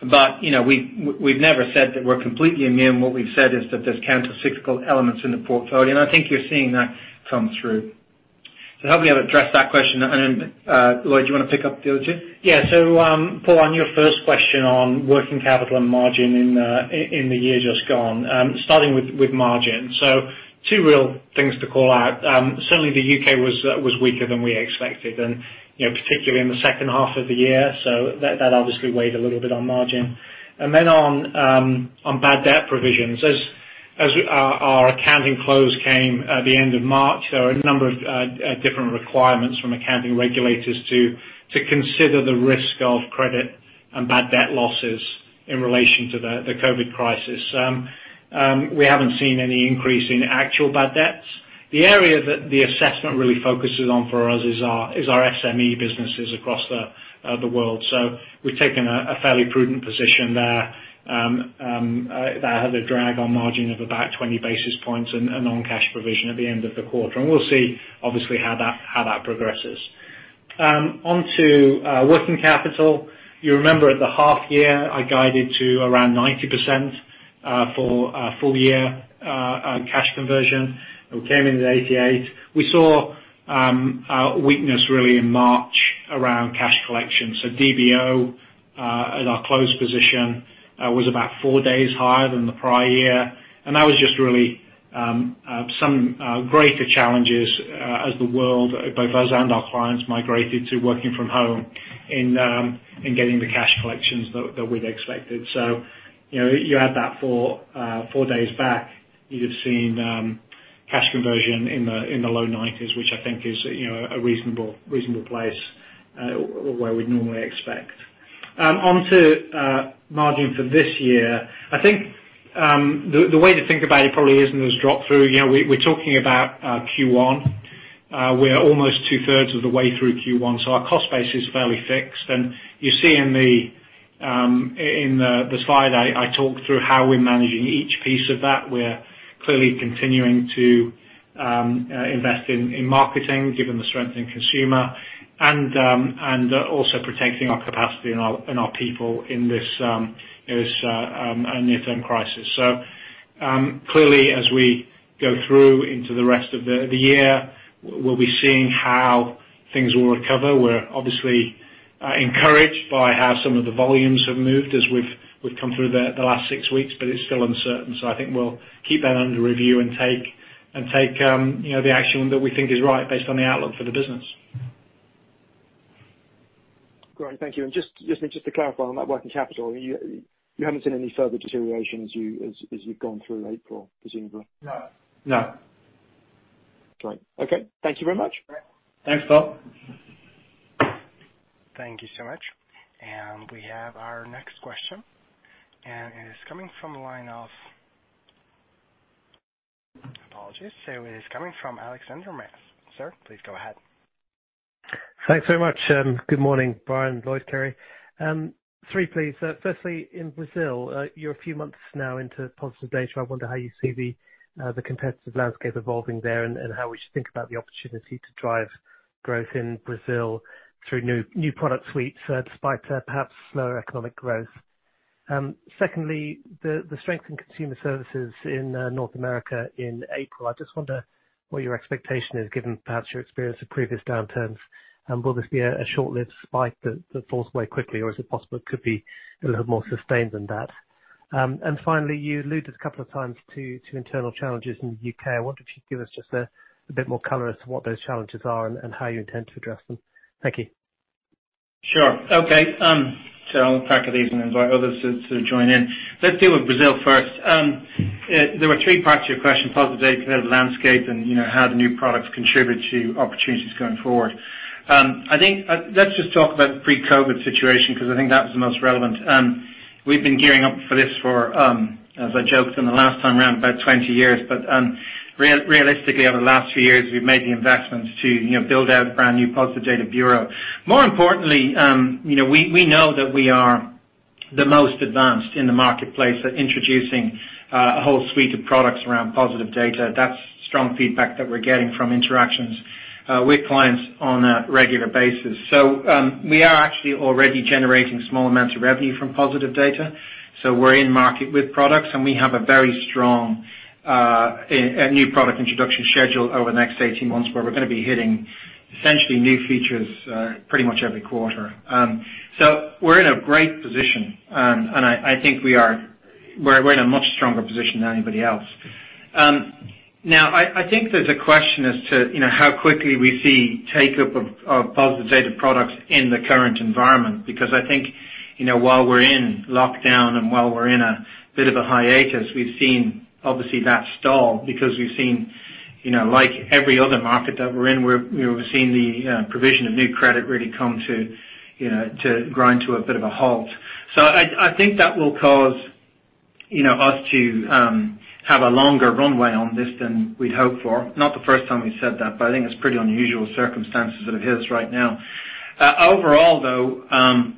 We've never said that we're completely immune. What we've said is that there's countercyclical elements in the portfolio, and I think you're seeing that come through. I hope we have addressed that question. Lloyd, do you want to pick up the other two? Paul, on your first question on working capital and margin in the year just gone. Starting with margin. Two real things to call out. Certainly the U.K. was weaker than we expected and particularly in the second half of the year. That obviously weighed a little bit on margin. On bad debt provisions. As our accounting close came at the end of March, there were a number of different requirements from accounting regulators to consider the risk of credit and bad debt losses in relation to the COVID crisis. We haven't seen any increase in actual bad debts. The area that the assessment really focuses on for us is our SME businesses across the world. We've taken a fairly prudent position there. That had a drag on margin of about 20 basis points and a non-cash provision at the end of the quarter. We'll see obviously how that progresses. On to working capital. You remember at the half year, I guided to around 90% for full year cash conversion. We came into the 88. We saw weakness really in March around cash collection. DSO at our close position was about four days higher than the prior year. That was just really some greater challenges as the world, both us and our clients, migrated to working from home in getting the cash collections that we'd expected. You add that four days back, you'd have seen cash conversion in the low 90s, which I think is a reasonable place where we'd normally expect. On to margin for this year. I think the way to think about it probably isn't as drop through. We're talking about Q1. We're almost two-thirds of the way through Q1, our cost base is fairly fixed. You see in the slide I talked through how we're managing each piece of that. We're clearly continuing to invest in marketing given the strength in consumer and also protecting our capacity and our people in this near-term crisis. Clearly as we go through into the rest of the year, we'll be seeing how things will recover. We're obviously encouraged by how some of the volumes have moved as we've come through the last six weeks, but it's still uncertain. I think we'll keep that under review and take the action that we think is right based on the outlook for the business. Great. Thank you. Just to clarify on that working capital, you haven't seen any further deterioration as you've gone through April, presumably? No. No. Great. Okay. Thank you very much. Thanks, Paul. Thank you so much. We have our next question, and it is coming from the line of Apologies. It is coming from Alexandre Mas. Sir, please go ahead. Thanks very much. Good morning, Brian, Lloyd, Kerry. Three, please. Firstly, in Brazil, you're a few months now into Positive Data. I wonder how you see the competitive landscape evolving there, and how we should think about the opportunity to drive growth in Brazil through new product suites, despite perhaps slower economic growth. Secondly, the strength in consumer services in North America in April. I just wonder what your expectation is, given perhaps your experience of previous downturns. Will this be a short-lived spike that falls away quickly, or is it possible it could be a little bit more sustained than that? Finally, you alluded a couple of times to internal challenges in the U.K. I wonder if you'd give us just a bit more color as to what those challenges are and how you intend to address them. Thank you. Sure. Okay. I'll tackle these and invite others to join in. Let's deal with Brazil first. There were three parts to your question. Positive Data, competitive landscape, and how the new products contribute to opportunities going forward. Let's just talk about the pre-COVID situation, because I think that was the most relevant. We've been gearing up for this for, as I joked in the last time around, about 20 years. Realistically, over the last few years, we've made the investment to build out a brand new Positive Data bureau. More importantly, we know that we are the most advanced in the marketplace at introducing a whole suite of products around Positive Data. That's strong feedback that we're getting from interactions with clients on a regular basis. We are actually already generating small amounts of revenue from Positive Data. We're in market with products, and we have a very strong new product introduction schedule over the next 18 months where we're going to be hitting essentially new features pretty much every quarter. We're in a great position. I think we're in a much stronger position than anybody else. Now, I think there's a question as to how quickly we see take-up of Positive Data products in the current environment, because I think while we're in lockdown and while we're in a bit of a hiatus, we've seen obviously that stall because we've seen, like every other market that we're in, we're seeing the provision of new credit really come to grind to a bit of a halt. I think that will cause us to have a longer runway on this than we'd hoped for. Not the first time we've said that, but I think it's pretty unusual circumstances that it hits right now. Overall, though,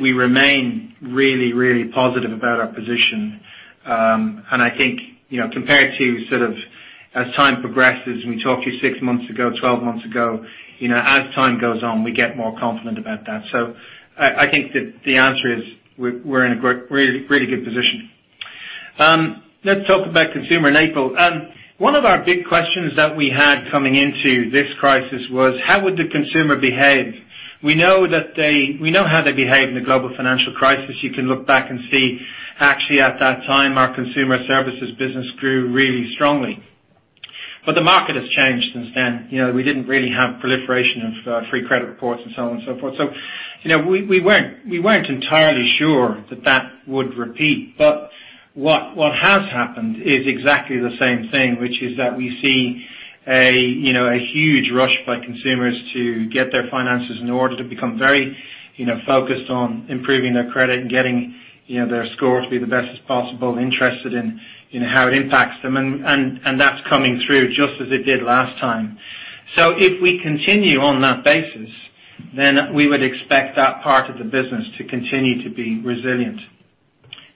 we remain really, really positive about our position. I think compared to as time progresses, and we talked to you 6 months ago, 12 months ago, as time goes on, we get more confident about that. I think that the answer is we're in a really good position. Let's talk about consumer in April. One of our big questions that we had coming into this crisis was how would the consumer behave? We know how they behaved in the global financial crisis. You can look back and see actually at that time, our consumer services business grew really strongly. The market has changed since then. We didn't really have proliferation of free credit reports and so on and so forth. We weren't entirely sure that that would repeat. What has happened is exactly the same thing, which is that we see a huge rush by consumers to get their finances in order to become very focused on improving their credit and getting their score to be the best as possible, interested in how it impacts them. That's coming through just as it did last time. If we continue on that basis, we would expect that part of the business to continue to be resilient.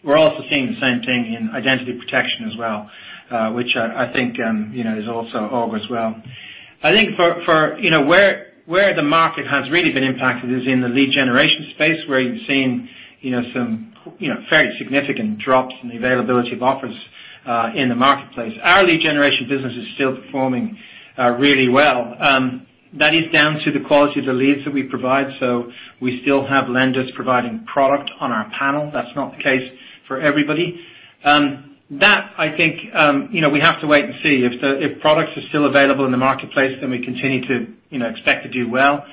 We're also seeing the same thing in identity protection as well, which I think is also augurs well. I think where the market has really been impacted is in the Lead Generation space where you've seen some fairly significant drops in the availability of offers in the marketplace. Our Lead Generation business is still performing really well. That is down to the quality of the leads that we provide. We still have lenders providing product on our panel. That's not the case for everybody. That I think we have to wait and see. If products are still available in the marketplace, then we continue to expect to do well.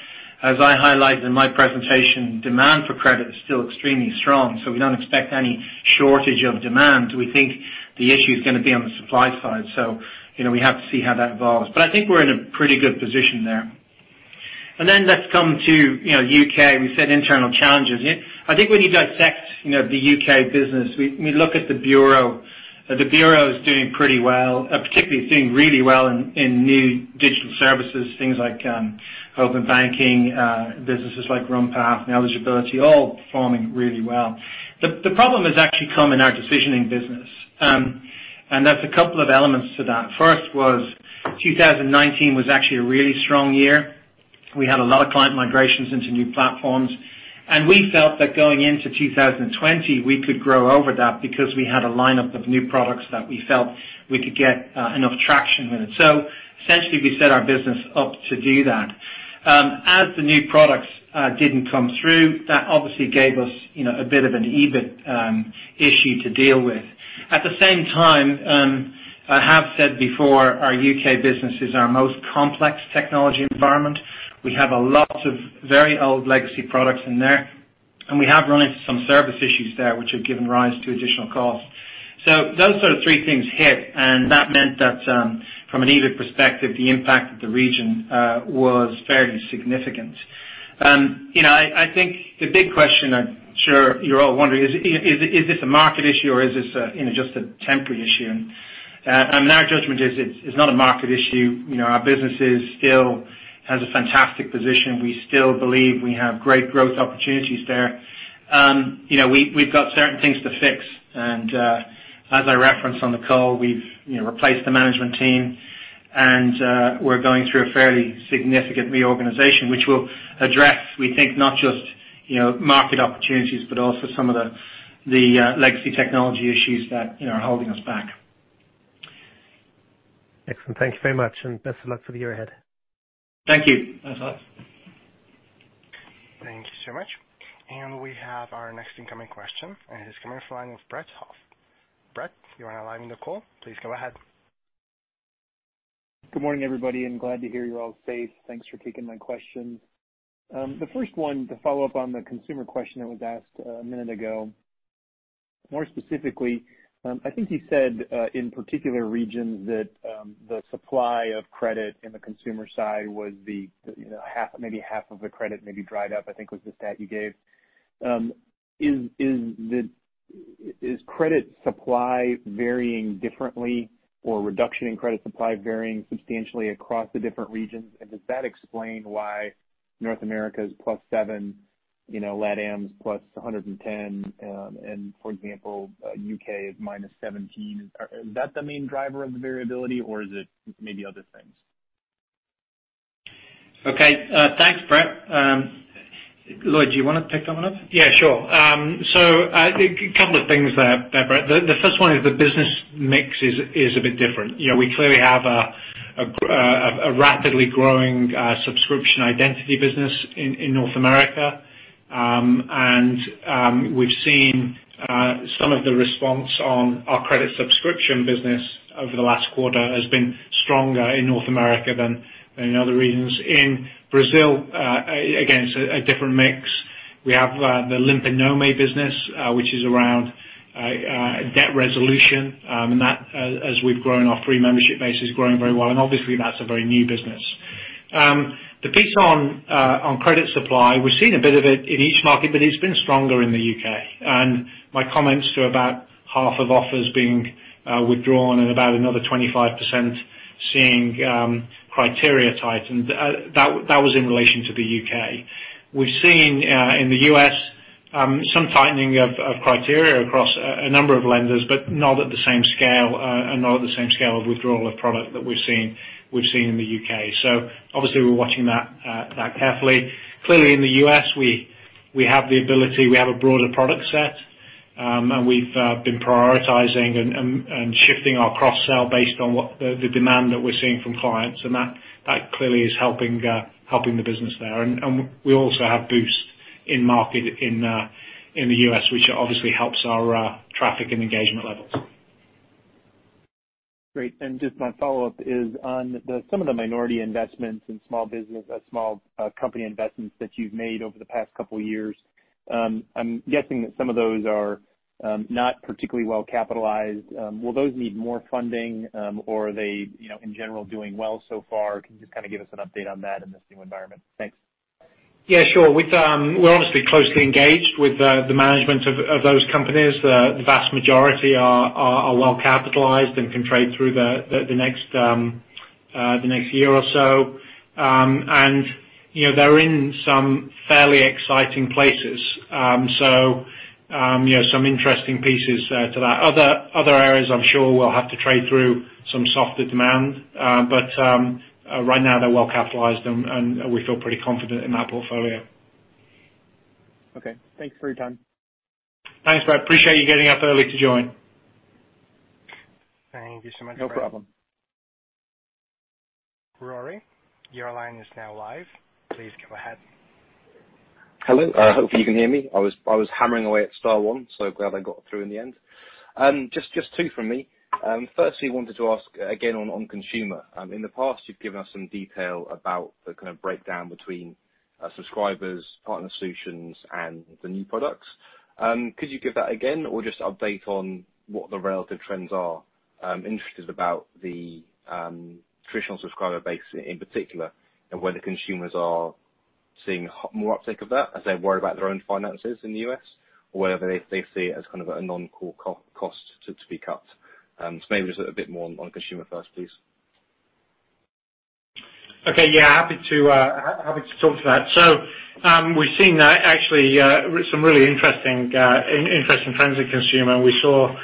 As I highlighted in my presentation, demand for credit is still extremely strong, so we don't expect any shortage of demand. We think the issue is going to be on the supply side. We have to see how that evolves. I think we're in a pretty good position there. Let's come to U.K. We said internal challenges. I think when you dissect the U.K. business, we look at the bureau. The bureau is doing pretty well, particularly doing really well in new digital services, things like open banking, businesses like Runpath and Eligibility, all performing really well. The problem has actually come in our decisioning business. There's a couple of elements to that. First was 2019 was actually a really strong year. We had a lot of client migrations into new platforms, and we felt that going into 2020, we could grow over that because we had a lineup of new products that we felt we could get enough traction with it. Essentially, we set our business up to do that. As the new products didn't come through, that obviously gave us a bit of an EBIT issue to deal with. At the same time, I have said before, our U.K. business is our most complex technology environment. We have a lot of very old legacy products in there. We have run into some service issues there which have given rise to additional costs. Those sort of three things hit, and that meant that from an EBIT perspective, the impact of the region was fairly significant. I think the big question I'm sure you're all wondering is this a market issue or is this just a temporary issue? Our judgment is it's not a market issue. Our business still has a fantastic position. We still believe we have great growth opportunities there. We've got certain things to fix. As I referenced on the call, we've replaced the management team and we're going through a fairly significant reorganization, which will address, we think, not just market opportunities, but also some of the legacy technology issues that are holding us back. Excellent. Thank you very much, and best of luck for the year ahead. Thank you. Thanks a lot. Thank you so much. We have our next incoming question, and it is coming from the line with Brett Berhoff. Brett, you are now live on the call. Please go ahead. Good morning, everybody, and glad to hear you're all safe. Thanks for taking my questions. The first one to follow up on the consumer question that was asked a minute ago. More specifically, I think you said, in particular regions that the supply of credit in the consumer side was maybe half of the credit maybe dried up, I think was the stat you gave. Is credit supply varying differently or reduction in credit supply varying substantially across the different regions? Does that explain why North America is +7, LATAM's +110, and for example, U.K. is -17? Is that the main driver of the variability or is it maybe other things? Okay. Thanks, Brett. Lloyd, do you want to pick that one up? Yeah, sure. A couple of things there, Brett. The first one is the business mix is a bit different. We clearly have a rapidly growing subscription identity business in North America. We've seen some of the response on our credit subscription business over the last quarter has been stronger in North America than in other regions. In Brazil, again, it's a different mix. We have the Limpa Nome business, which is around debt resolution. That, as we've grown, our free membership base is growing very well. Obviously that's a very new business. The piece on credit supply, we've seen a bit of it in each market, but it's been stronger in the U.K. My comments to about half of offers being withdrawn and about another 25% seeing criteria tightened, that was in relation to the U.K. We've seen in the U.S. some tightening of criteria across a number of lenders, but not at the same scale of withdrawal of product that we've seen in the U.K. Obviously we're watching that carefully. Clearly in the U.S., we have the ability. We have a broader product set, and we've been prioritizing and shifting our cross-sell based on what the demand that we're seeing from clients. That clearly is helping the business there. We also have Boost in market in the U.S., which obviously helps our traffic and engagement levels. Great. Just my follow-up is on some of the minority investments in small business, small company investments that you've made over the past couple of years. I'm guessing that some of those are not particularly well capitalized. Will those need more funding? Are they, in general, doing well so far? Can you just give us an update on that in this new environment? Thanks. Yeah, sure. We're obviously closely engaged with the management of those companies. The vast majority are well capitalized and can trade through the next year or so. They're in some fairly exciting places. Some interesting pieces to that. Other areas, I'm sure will have to trade through some softer demand. Right now they're well capitalized, and we feel pretty confident in that portfolio. Okay. Thanks for your time. Thanks, Brett. Appreciate you getting up early to join. Thank you so much, Brett. No problem. Rory, your line is now live. Please go ahead. Hello. Hope you can hear me. I was hammering away at star one, so glad I got through in the end. Just two from me. Firstly, wanted to ask again on consumer. In the past, you've given us some detail about the kind of breakdown between subscribers, partner solutions, and the new products. Could you give that again or just update on what the relative trends are? I'm interested about the traditional subscriber base in particular and whether consumers are seeing more uptake of that as they worry about their own finances in the U.S. or whether they see it as kind of a non-core cost to be cut. Maybe just a bit more on consumer first, please. Okay. Yeah, happy to talk to that. We're seeing actually some really interesting trends in consumer. We saw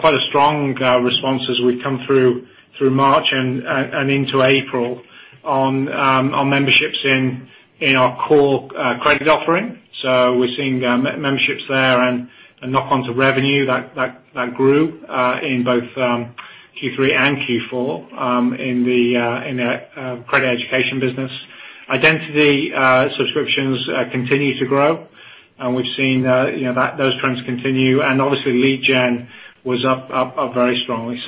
quite a strong response as we come through March and into April on memberships in our core credit offering. We're seeing memberships there and a knock-on to revenue that grew in both Q3 and Q4 in the credit education business. Identity subscriptions continue to grow. We've seen those trends continue, and obviously lead gen was up very strongly.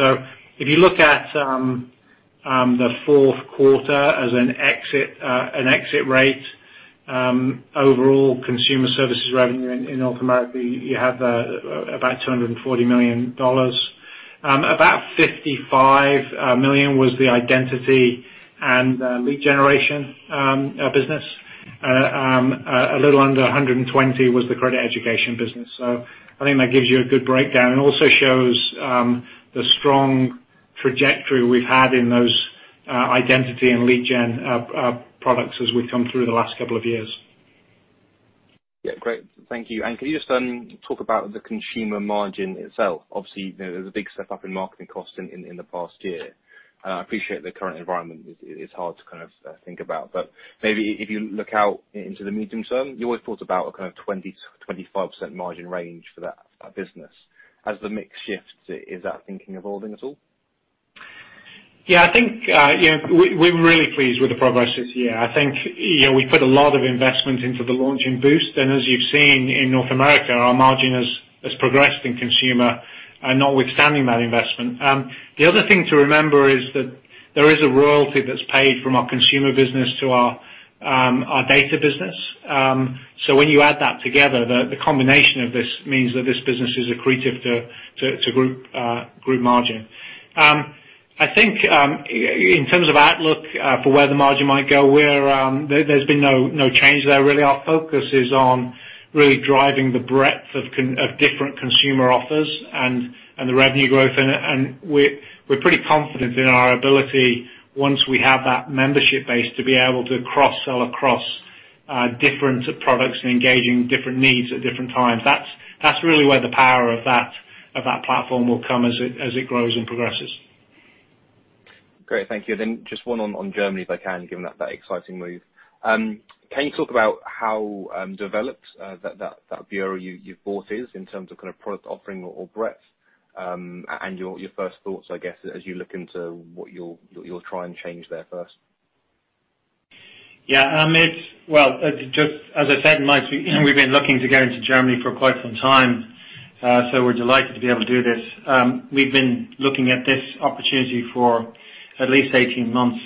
If you look at the fourth quarter as an exit rate. Overall, consumer services revenue in North America, you have about $240 million. About $55 million was the identity and lead Generation business. A little under $120 million was the credit education business. I think that gives you a good breakdown and also shows the strong trajectory we've had in those identity and lead gen products as we've come through the last couple of years. Yeah. Great. Thank you. Could you just talk about the consumer margin itself? Obviously, there was a big step up in marketing costs in the past year. I appreciate the current environment is hard to think about, but maybe if you look out into the medium term, you always thought about a kind of 20%-25% margin range for that business. As the mix shifts, is that thinking evolving at all? Yeah, I think we're really pleased with the progress this year. I think we put a lot of investment into the launch in Boost, and as you've seen in North America, our margin has progressed in consumer, notwithstanding that investment. The other thing to remember is that there is a royalty that's paid from our consumer business to our data business. When you add that together, the combination of this means that this business is accretive to group margin. I think, in terms of outlook for where the margin might go, there's been no change there really. Our focus is on really driving the breadth of different consumer offers and the revenue growth in it. We're pretty confident in our ability, once we have that membership base, to be able to cross-sell across different products and engaging different needs at different times. That's really where the power of that platform will come as it grows and progresses. Great. Thank you. Just one on Germany, if I can, given that exciting move. Can you talk about how developed that bureau you've bought is in terms of kind of product offering or breadth, and your first thoughts, I guess, as you look into what you'll try and change there first? Yeah. Well, as I said in my we've been looking to get into Germany for quite some time, we're delighted to be able to do this. We've been looking at this opportunity for at least 18 months.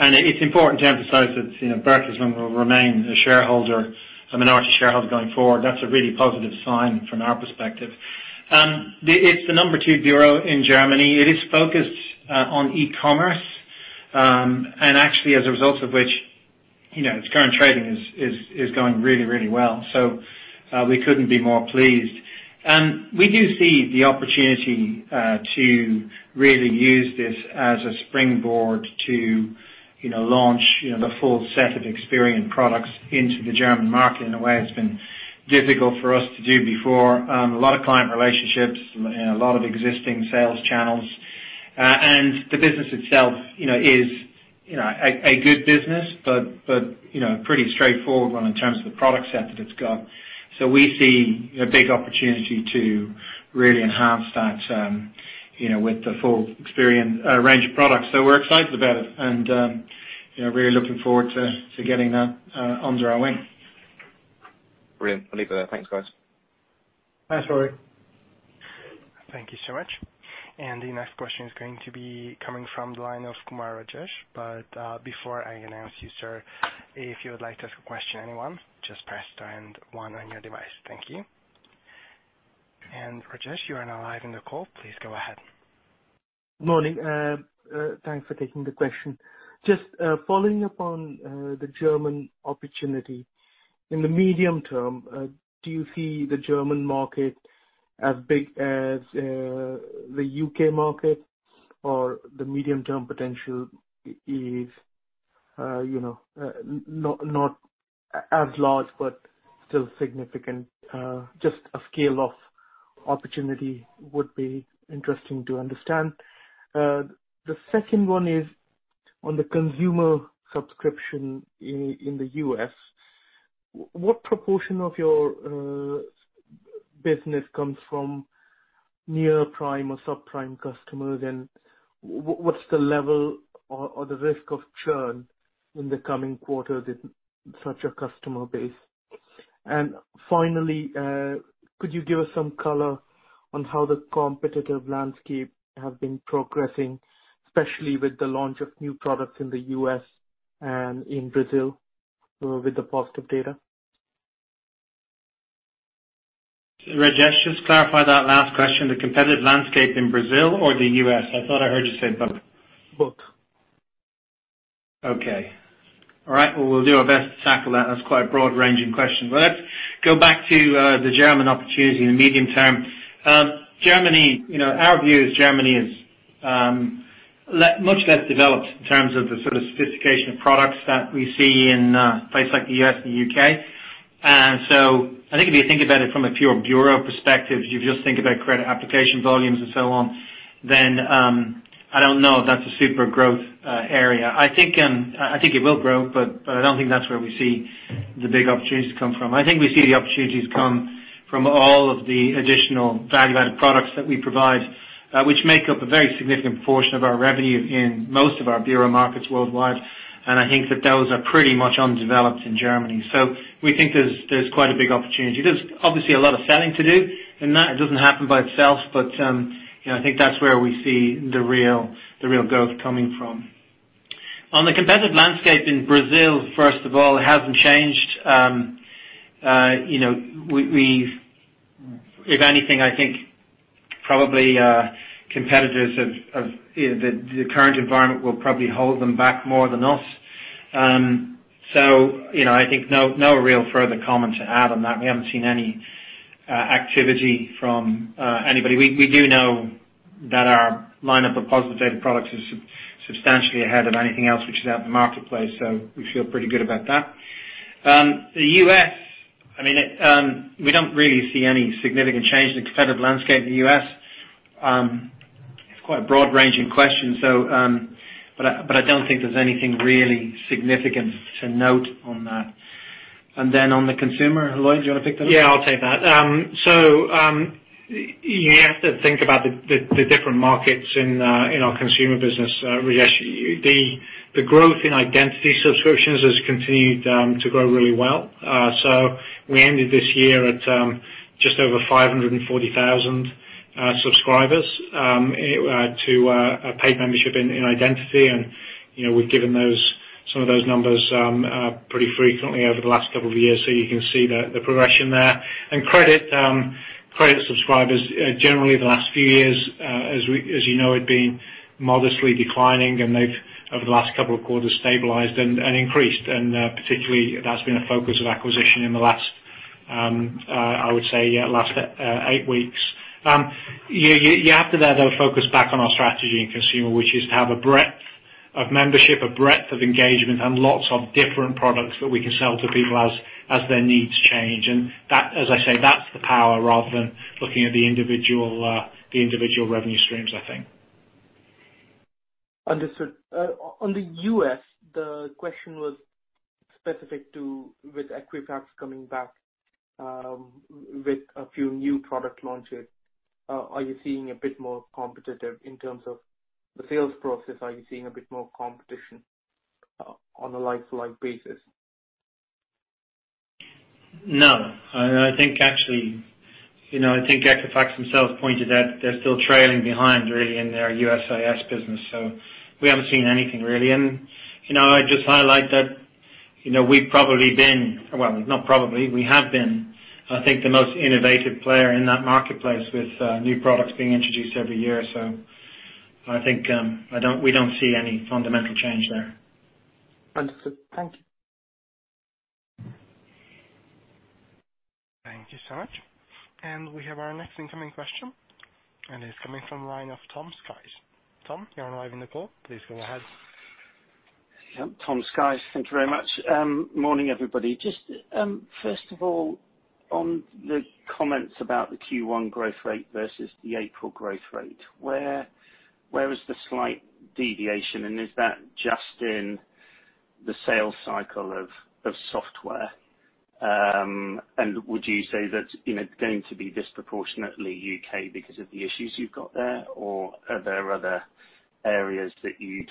It's important to emphasize that Bertelsmann will remain a shareholder, a minority shareholder, going forward. That's a really positive sign from our perspective. It's the number 2 bureau in Germany. It is focused on e-commerce. Actually, as a result of which, its current trading is going really, really well. We couldn't be more pleased. We do see the opportunity to really use this as a springboard to launch the full set of Experian products into the German market in a way that's been difficult for us to do before. A lot of client relationships and a lot of existing sales channels. The business itself is a good business, but pretty straightforward one in terms of the product set that it's got. We see a big opportunity to really enhance that with the full Experian range of products. We're excited about it, and really looking forward to getting that under our wing. Brilliant. I'll leave it there. Thanks, guys. Thanks, Rory. Thank you so much. The next question is going to be coming from the line of Rajesh Kumar. Before I announce you, sir, if you would like to ask a question, anyone, just press star and one on your device. Thank you. Rajesh, you are now live on the call. Please go ahead. Morning. Thanks for taking the question. Just following up on the German opportunity. In the medium term, do you see the German market as big as the U.K. market or the medium-term potential is not as large but still significant? Just a scale of opportunity would be interesting to understand. The second one is on the consumer subscription in the U.S. What proportion of your business comes from near-prime or subprime customers, and what's the level or the risk of churn in the coming quarters in such a customer base? Finally, could you give us some color on how the competitive landscape have been progressing, especially with the launch of new products in the U.S. and in Brazil with the Positive Data? Rajesh, just to clarify that last question, the competitive landscape in Brazil or the U.S.? I thought I heard you say both. Both. Okay. All right. Well, we'll do our best to tackle that. That's quite a broad-ranging question. Let's go back to the German opportunity in the medium term. Our view is Germany is much less developed in terms of the sort of sophistication of products that we see in places like the U.S. and the U.K. I think if you think about it from a pure bureau perspective, you just think about credit application volumes and so on, then I don't know if that's a super growth area. I think it will grow, but I don't think that's where we see the big opportunities come from. I think we see the opportunities come from all of the additional value-added products that we provide, which make up a very significant proportion of our revenue in most of our bureau markets worldwide. I think that those are pretty much undeveloped in Germany. We think there's quite a big opportunity. There's obviously a lot of selling to do, and that doesn't happen by itself. I think that's where we see the real growth coming from. On the competitive landscape in Brazil, first of all, it hasn't changed. If anything, I think probably competitors of the current environment will probably hold them back more than us. I think no real further comment to add on that. We haven't seen any activity from anybody. We do know that our lineup of Positive Data products is substantially ahead of anything else which is out in the marketplace, so we feel pretty good about that. The U.S., we don't really see any significant change in the competitive landscape in the U.S. It's quite a broad-ranging question. I don't think there's anything really significant to note on that. Then on the consumer, Lloyd, do you want to pick that up? Yeah, I'll take that. You have to think about the different markets in our consumer business. The growth in identity subscriptions has continued to grow really well. We ended this year at just over 540,000 subscribers to a paid membership in Identity, and we've given some of those numbers pretty frequently over the last couple of years so you can see the progression there. Credit subscribers, generally the last few years, as you know, had been modestly declining, and they've over the last couple of quarters stabilized and increased. Particularly that's been a focus of acquisition in the last, I would say, last eight weeks. You have to then though focus back on our strategy in consumer, which is to have a breadth of membership, a breadth of engagement, and lots of different products that we can sell to people as their needs change. That, as I say, that's the power rather than looking at the individual revenue streams, I think. Understood. On the U.S., the question was specific to with Equifax coming back with a few new product launches. Are you seeing a bit more competitive in terms of the sales process? Are you seeing a bit more competition on a like-to-like basis? No. I think Equifax themselves pointed out they're still trailing behind really in their USIS business, so we haven't seen anything really. I'd just highlight that we've probably been, well, not probably, we have been, I think the most innovative player in that marketplace with new products being introduced every year. I think we don't see any fundamental change there. Understood. Thank you. Thank you so much. We have our next incoming question. It's coming from line of Tom Skies. Tom, you are live in the call. Please go ahead. Yeah. Tom Skies, thank you very much. Morning, everybody. Just first of all, on the comments about the Q1 growth rate versus the April growth rate, where is the slight deviation, and is that just in the sales cycle of software? Would you say that it's going to be disproportionately U.K. because of the issues you've got there? Are there other areas that you'd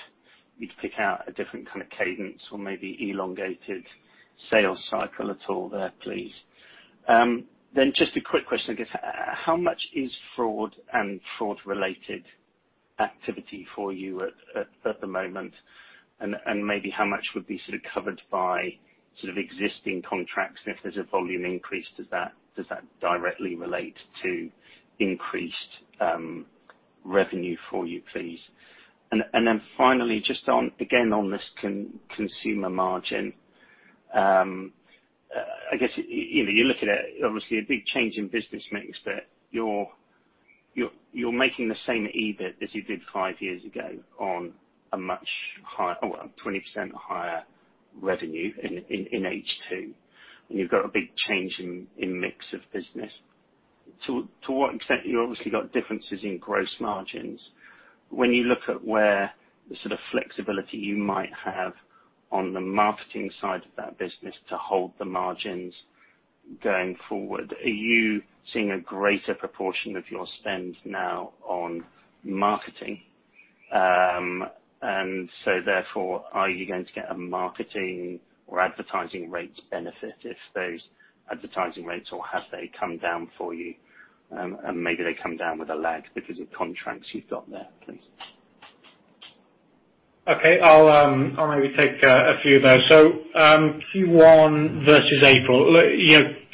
pick out a different kind of cadence or maybe elongated sales cycle at all there, please? Just a quick question, I guess. How much is fraud and fraud-related activity for you at the moment? Maybe how much would be sort of covered by existing contracts, and if there's a volume increase, does that directly relate to increased revenue for you, please? Finally, just again on this consumer margin. I guess you look at it, obviously a big change in business mix there. You're making the same EBIT as you did five years ago on a 20% higher revenue in H2. You've got a big change in mix of business. To what extent, you obviously got differences in gross margins. When you look at where the sort of flexibility you might have on the marketing side of that business to hold the margins going forward, are you seeing a greater proportion of your spend now on marketing? Therefore, are you going to get a marketing or advertising rates benefit if those advertising rates, or have they come down for you? Maybe they come down with a lag because of contracts you've got there, please. Okay. I'll maybe take a few of those. Q1 versus April.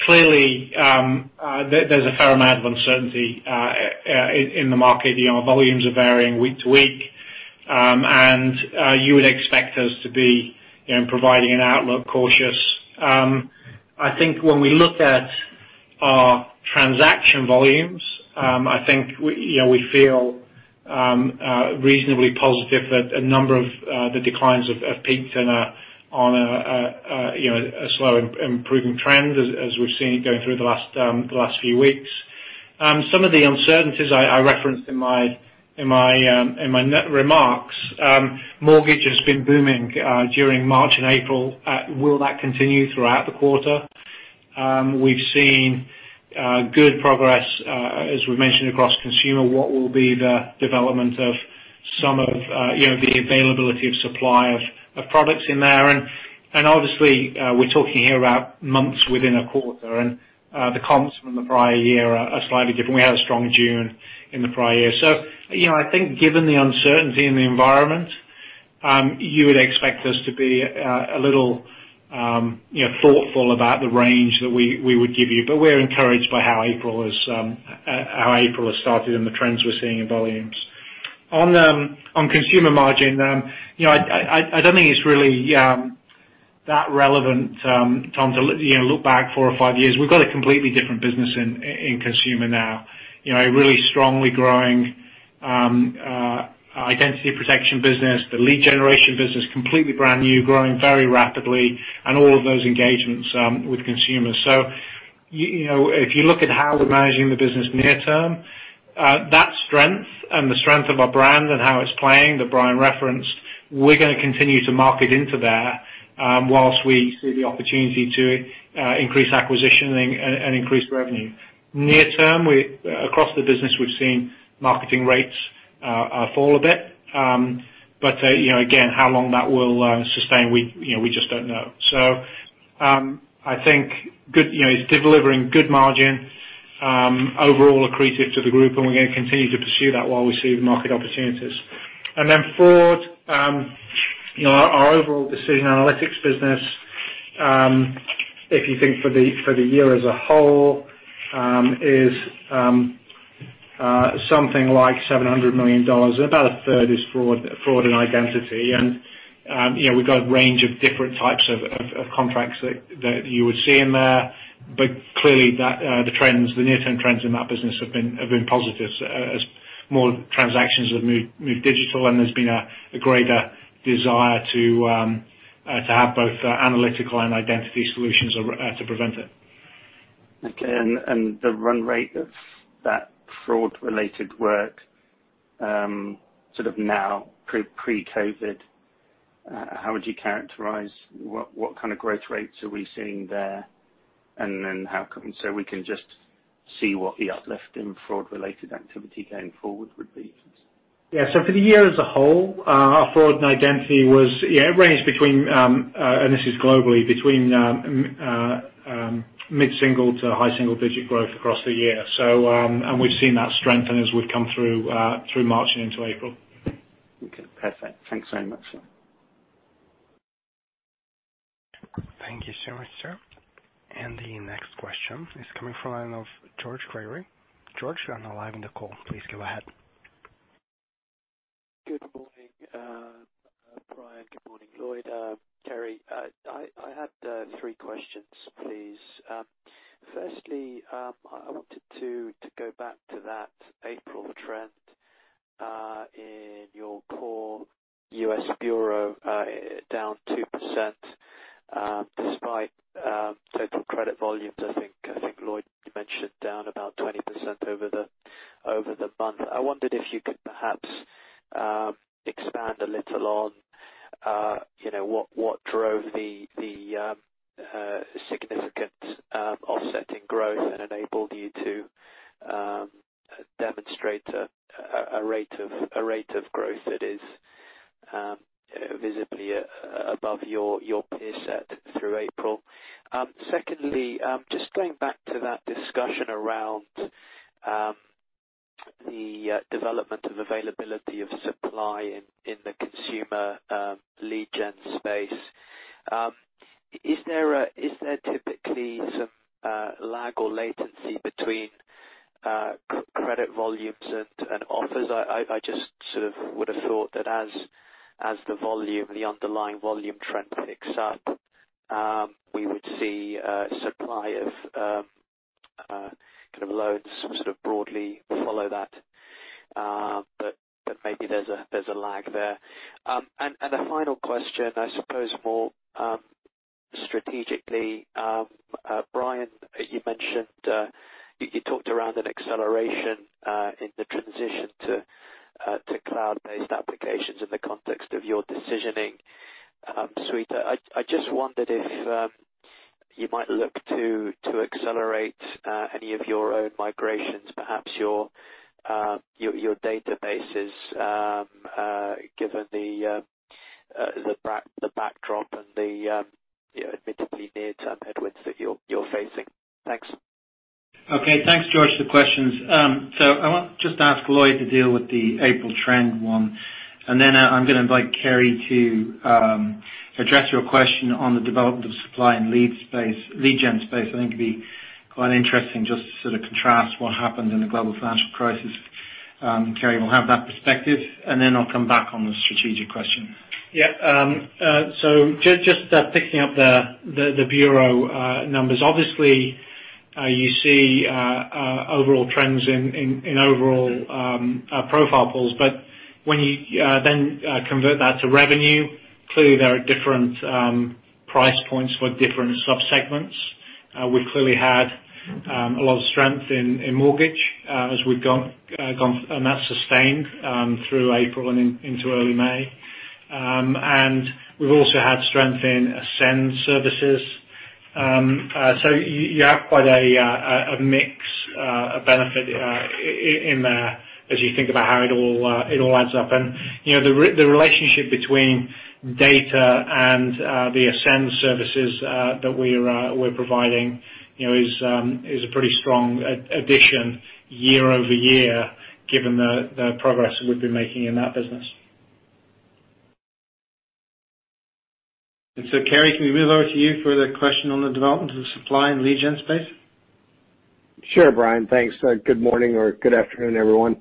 Clearly there's a fair amount of uncertainty in the market. Volumes are varying week to week. You would expect us to be providing an outlook cautious. I think when we look at our transaction volumes, I think we feel reasonably positive that a number of the declines have peaked and are on a slow improving trend as we've seen it going through the last few weeks. Some of the uncertainties I referenced in my net remarks, mortgage has been booming during March and April. Will that continue throughout the quarter? We've seen good progress, as we mentioned, across consumer, what will be the development of some of the availability of supply of products in there. Obviously, we're talking here about months within a quarter, and the comps from the prior year are slightly different. We had a strong June in the prior year. I think given the uncertainty in the environment, you would expect us to be a little thoughtful about the range that we would give you. We're encouraged by how April has started and the trends we're seeing in volumes. On consumer margin, I don't think it's really that relevant, Tom, to look back four or five years. We've got a completely different business in consumer now. A really strongly growing identity protection business. The Lead Generation business, completely brand new, growing very rapidly, and all of those engagements with consumers. If you look at how we're managing the business near term, that strength and the strength of our brand and how it's playing, that Brian referenced, we're going to continue to market into there, whilst we see the opportunity to increase acquisitioning and increase revenue. Near term, across the business, we've seen marketing rates fall a bit. Again, how long that will sustain, we just don't know. I think it's delivering good margin, overall accretive to the group, and we're going to continue to pursue that while we see the market opportunities. Then fraud. Our overall decision analytics business, if you think for the year as a whole, is something like $700 million. About a third is fraud and identity. We've got a range of different types of contracts that you would see in there. Clearly, the near-term trends in that business have been positive as more transactions have moved digital, and there's been a greater desire to have both analytical and identity solutions to prevent it. Okay. The run rate of that fraud-related work now pre-COVID, how would you characterize what kind of growth rates are we seeing there? We can just see what the uplift in fraud-related activity going forward would be. Yeah. For the year as a whole, our fraud and identity ranged between, and this is globally, between mid-single to high single-digit growth across the year. We've seen that strengthen as we've come through March and into April. Okay. Perfect. Thanks very much. Thank you so much, sir. The next question is coming from the line of George Crary. George, you are now live on the call. Please go ahead. Good morning, Brian. Good morning, Lloyd. Kerry. I had three questions, please. Firstly, I wanted to go back to that April trend in your core U.S. bureau, down 2% despite total credit volumes, I think Lloyd, you mentioned down about 20% over the month. I wondered if you could perhaps expand a little on what drove the significant offsetting growth and enabled you to demonstrate a rate of growth that is visibly above your peer set through April. Secondly, just going back to that discussion around the development of availability of supply in the consumer Lead Gen space. Is there typically some lag or latency between credit volumes and offers? I just sort of would've thought that as the volume, the underlying volume trend picks up, we would see supply of loans sort of broadly follow that. Maybe there's a lag there. A final question, I suppose more strategically. Brian, you talked around an acceleration in the transition to cloud-based applications in the context of your decisioning suite. I just wondered if you might look to accelerate any of your own migrations, perhaps your databases, given the backdrop and the admittedly near-term headwinds that you're facing. Thanks. Okay. Thanks, George, for the questions. I want just to ask Lloyd to deal with the April trend one, and then I'm going to invite Kerry to address your question on the development of supply and lead gen space. I think it'd be quite interesting just to sort of contrast what happened in the global financial crisis. Kerry will have that perspective, and then I'll come back on the strategic question. Yeah. Just picking up the bureau numbers. Obviously, you see overall trends in overall profile pulls. When you then convert that to revenue, clearly there are different price points for different subsegments. We've clearly. A lot of strength in mortgage and that sustained through April and into early May. We've also had strength in Ascend services. You have quite a mix of benefit in there as you think about how it all adds up. The relationship between data and the Ascend services that we're providing is a pretty strong addition year-over-year given the progress we've been making in that business. Kerry, can we move over to you for the question on the development of supply and lead gen space? Sure, Brian, thanks. Good morning or good afternoon, everyone.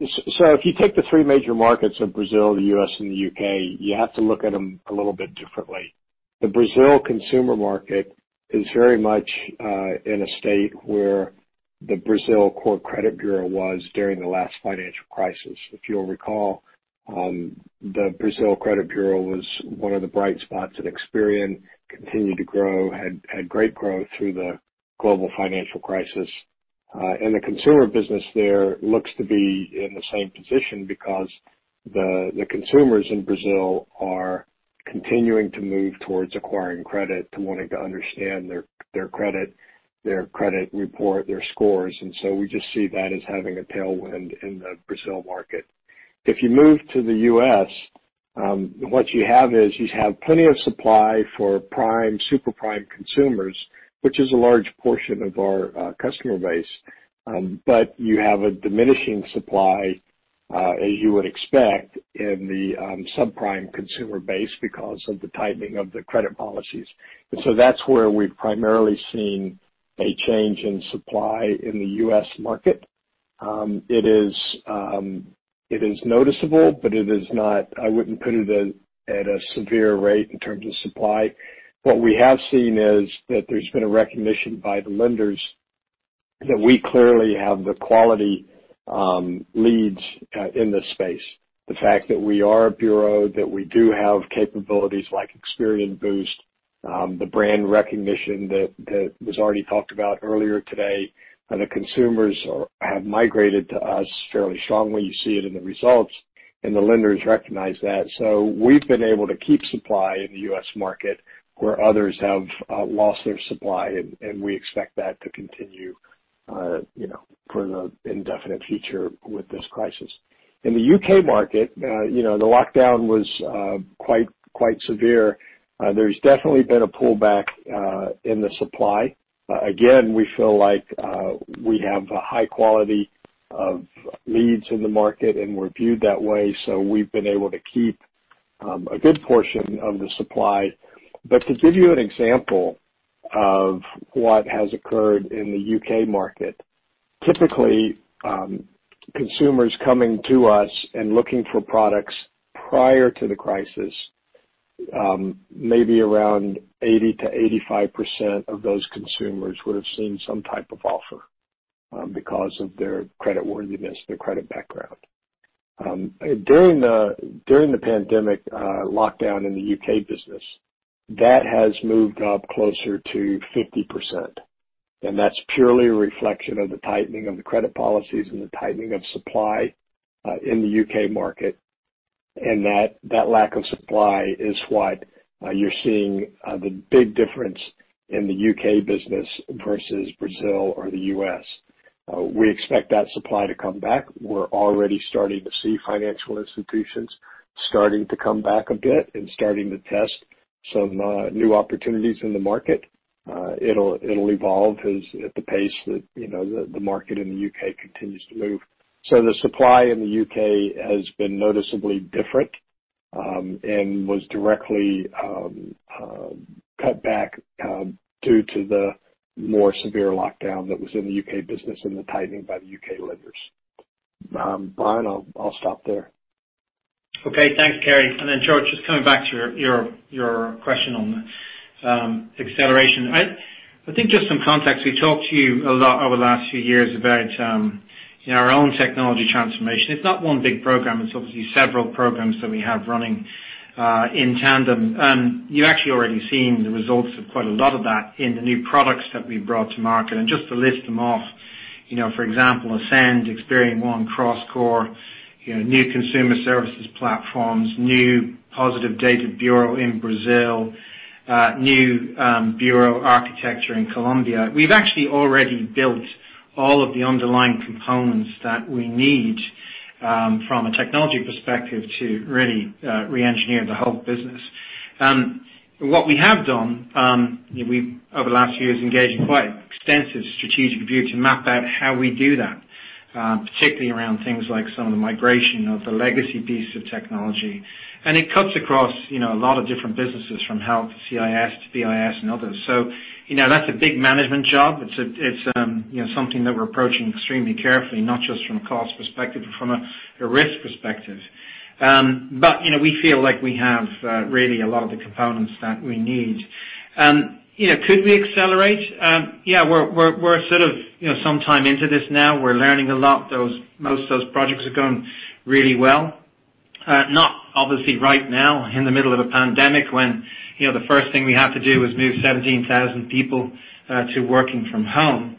If you take the three major markets of Brazil, the U.S., and the U.K., you have to look at them a little bit differently. The Brazil consumer market is very much in a state where the Brazil core credit bureau was during the last financial crisis. If you'll recall, the Brazil credit bureau was one of the bright spots at Experian, continued to grow, had great growth through the global financial crisis. The consumer business there looks to be in the same position because the consumers in Brazil are continuing to move towards acquiring credit, to wanting to understand their credit report, their scores, we just see that as having a tailwind in the Brazil market. If you move to the U.S., what you have is you have plenty of supply for prime, super prime consumers, which is a large portion of our customer base. You have a diminishing supply, as you would expect in the subprime consumer base because of the tightening of the credit policies. That's where we've primarily seen a change in supply in the U.S. market. It is noticeable, but I wouldn't put it at a severe rate in terms of supply. What we have seen is that there's been a recognition by the lenders that we clearly have the quality leads in this space. The fact that we are a bureau, that we do have capabilities like Experian Boost, the brand recognition that was already talked about earlier today, and the consumers have migrated to us fairly strongly. You see it in the results. The lenders recognize that. We've been able to keep supply in the U.S. market where others have lost their supply, and we expect that to continue for the indefinite future with this crisis. In the U.K. market, the lockdown was quite severe. There's definitely been a pullback in the supply. Again, we feel like we have a high quality of leads in the market, and we're viewed that way, so we've been able to keep a good portion of the supply. To give you an example of what has occurred in the U.K. market, typically consumers coming to us and looking for products prior to the crisis, maybe around 80%-85% of those consumers would have seen some type of offer because of their creditworthiness, their credit background. During the COVID-19 pandemic lockdown in the U.K. business, that has moved up closer to 50%, and that's purely a reflection of the tightening of the credit policies and the tightening of supply in the U.K. market, and that lack of supply is what you're seeing the big difference in the U.K. business versus Brazil or the U.S. We expect that supply to come back. We're already starting to see financial institutions starting to come back a bit and starting to test some new opportunities in the market. It'll evolve at the pace that the market in the U.K. continues to move. The supply in the U.K. has been noticeably different and was directly cut back due to the more severe lockdown that was in the U.K. business and the tightening by the U.K. lenders. Brian, I'll stop there. Okay, thanks, Kerry. Then George, just coming back to your question on acceleration. I think just some context. We talked to you a lot over the last few years about our own technology transformation. It's not one big program. It's obviously several programs that we have running in tandem. You actually already seen the results of quite a lot of that in the new products that we've brought to market. Just to list them off, for example, Ascend, Experian One, CrossCore, new consumer services platforms, new Positive Data bureau in Brazil, new bureau architecture in Colombia. We've actually already built all of the underlying components that we need from a technology perspective to really re-engineer the whole business. What we have done, we've, over the last few years, engaged in quite extensive strategic review to map out how we do that, particularly around things like some of the migration of the legacy pieces of technology. It cuts across a lot of different businesses from Health to CIS to BIS and others. That's a big management job. It's something that we're approaching extremely carefully, not just from a cost perspective, but from a risk perspective. We feel like we have really a lot of the components that we need. Could we accelerate? Yeah, we're sort of some time into this now. We're learning a lot. Most of those projects are going really well. Not obviously right now in the middle of a pandemic when the first thing we have to do is move 17,000 people to working from home.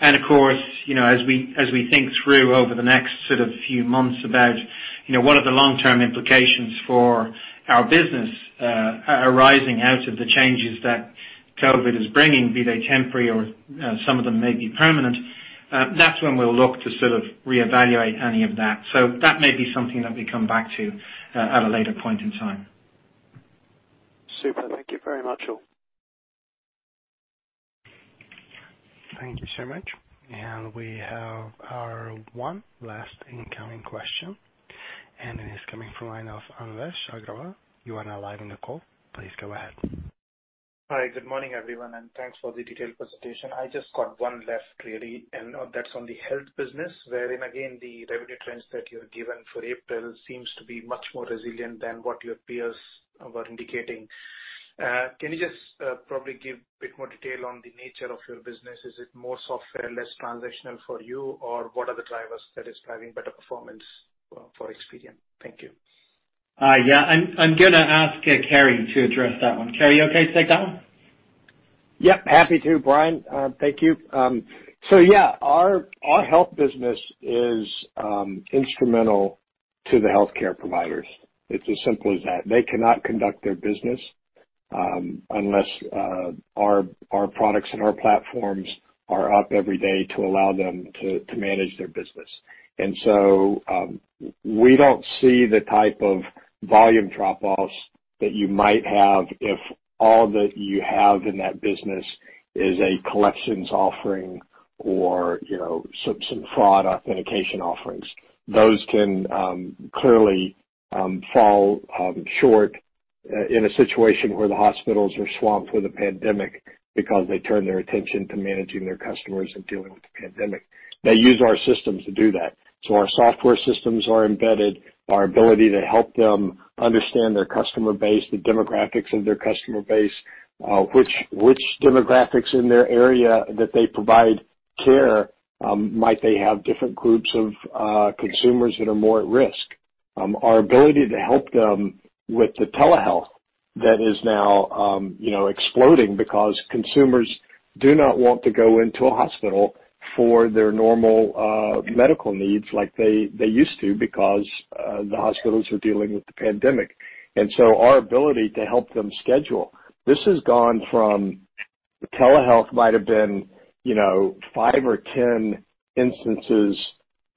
Of course, as we think through over the next few months about what are the long-term implications for our business arising out of the changes that COVID is bringing, be they temporary or some of them may be permanent, that's when we'll look to reevaluate any of that. That may be something that we come back to at a later point in time. Super. Thank you very much. Thank you so much. We have our one last incoming question, and it is coming from the line of Anvesh Agrawal. You are now live on the call. Please go ahead. Hi. Good morning, everyone, and thanks for the detailed presentation. I just got one left, really, and that's on the health business, wherein, again, the revenue trends that you have given for April seems to be much more resilient than what your peers were indicating. Can you just probably give a bit more detail on the nature of your business? Is it more software, less transactional for you, or what are the drivers that is driving better performance for Experian? Thank you. Yeah. I'm going to ask Kerry to address that one. Kerry, you okay to take that one? Yep, happy to, Brian. Thank you. Yeah, our health business is instrumental to the healthcare providers. It's as simple as that. They cannot conduct their business unless our products and our platforms are up every day to allow them to manage their business. We don't see the type of volume drop-offs that you might have if all that you have in that business is a collections offering or some fraud authentication offerings. Those can clearly fall short in a situation where the hospitals are swamped with a pandemic because they turn their attention to managing their customers and dealing with the pandemic. They use our systems to do that. Our software systems are embedded. Our ability to help them understand their customer base, the demographics of their customer base, which demographics in their area that they provide care might they have different groups of consumers that are more at risk. Our ability to help them with the telehealth that is now exploding because consumers do not want to go into a hospital for their normal medical needs like they used to because the hospitals are dealing with the pandemic. Our ability to help them schedule. This has gone from telehealth might have been five or 10 instances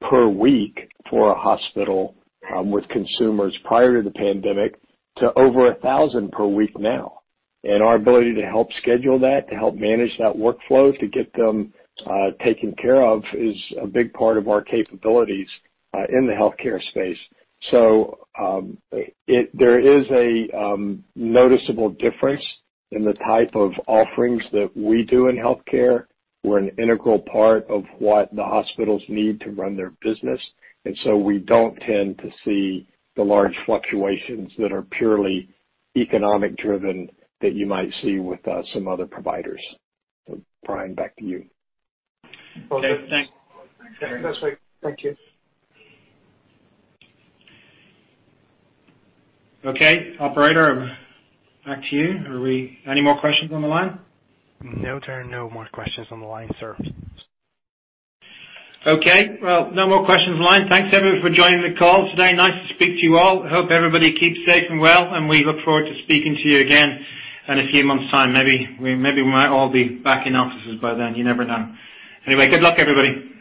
per week for a hospital with consumers prior to the pandemic to over 1,000 per week now. Our ability to help schedule that, to help manage that workflow, to get them taken care of, is a big part of our capabilities in the healthcare space. There is a noticeable difference in the type of offerings that we do in healthcare. We're an integral part of what the hospitals need to run their business. We don't tend to see the large fluctuations that are purely economic-driven that you might see with some other providers. Brian, back to you. Well, good. Thanks. Thanks. That's fine. Thank you. Okay, operator, back to you. Any more questions on the line? No, there are no more questions on the line, sir. Okay. Well, no more questions on the line. Thanks, everyone, for joining the call today. Nice to speak to you all. Hope everybody keeps safe and well, and we look forward to speaking to you again in a few months' time. Maybe we might all be back in offices by then. You never know. Good luck, everybody.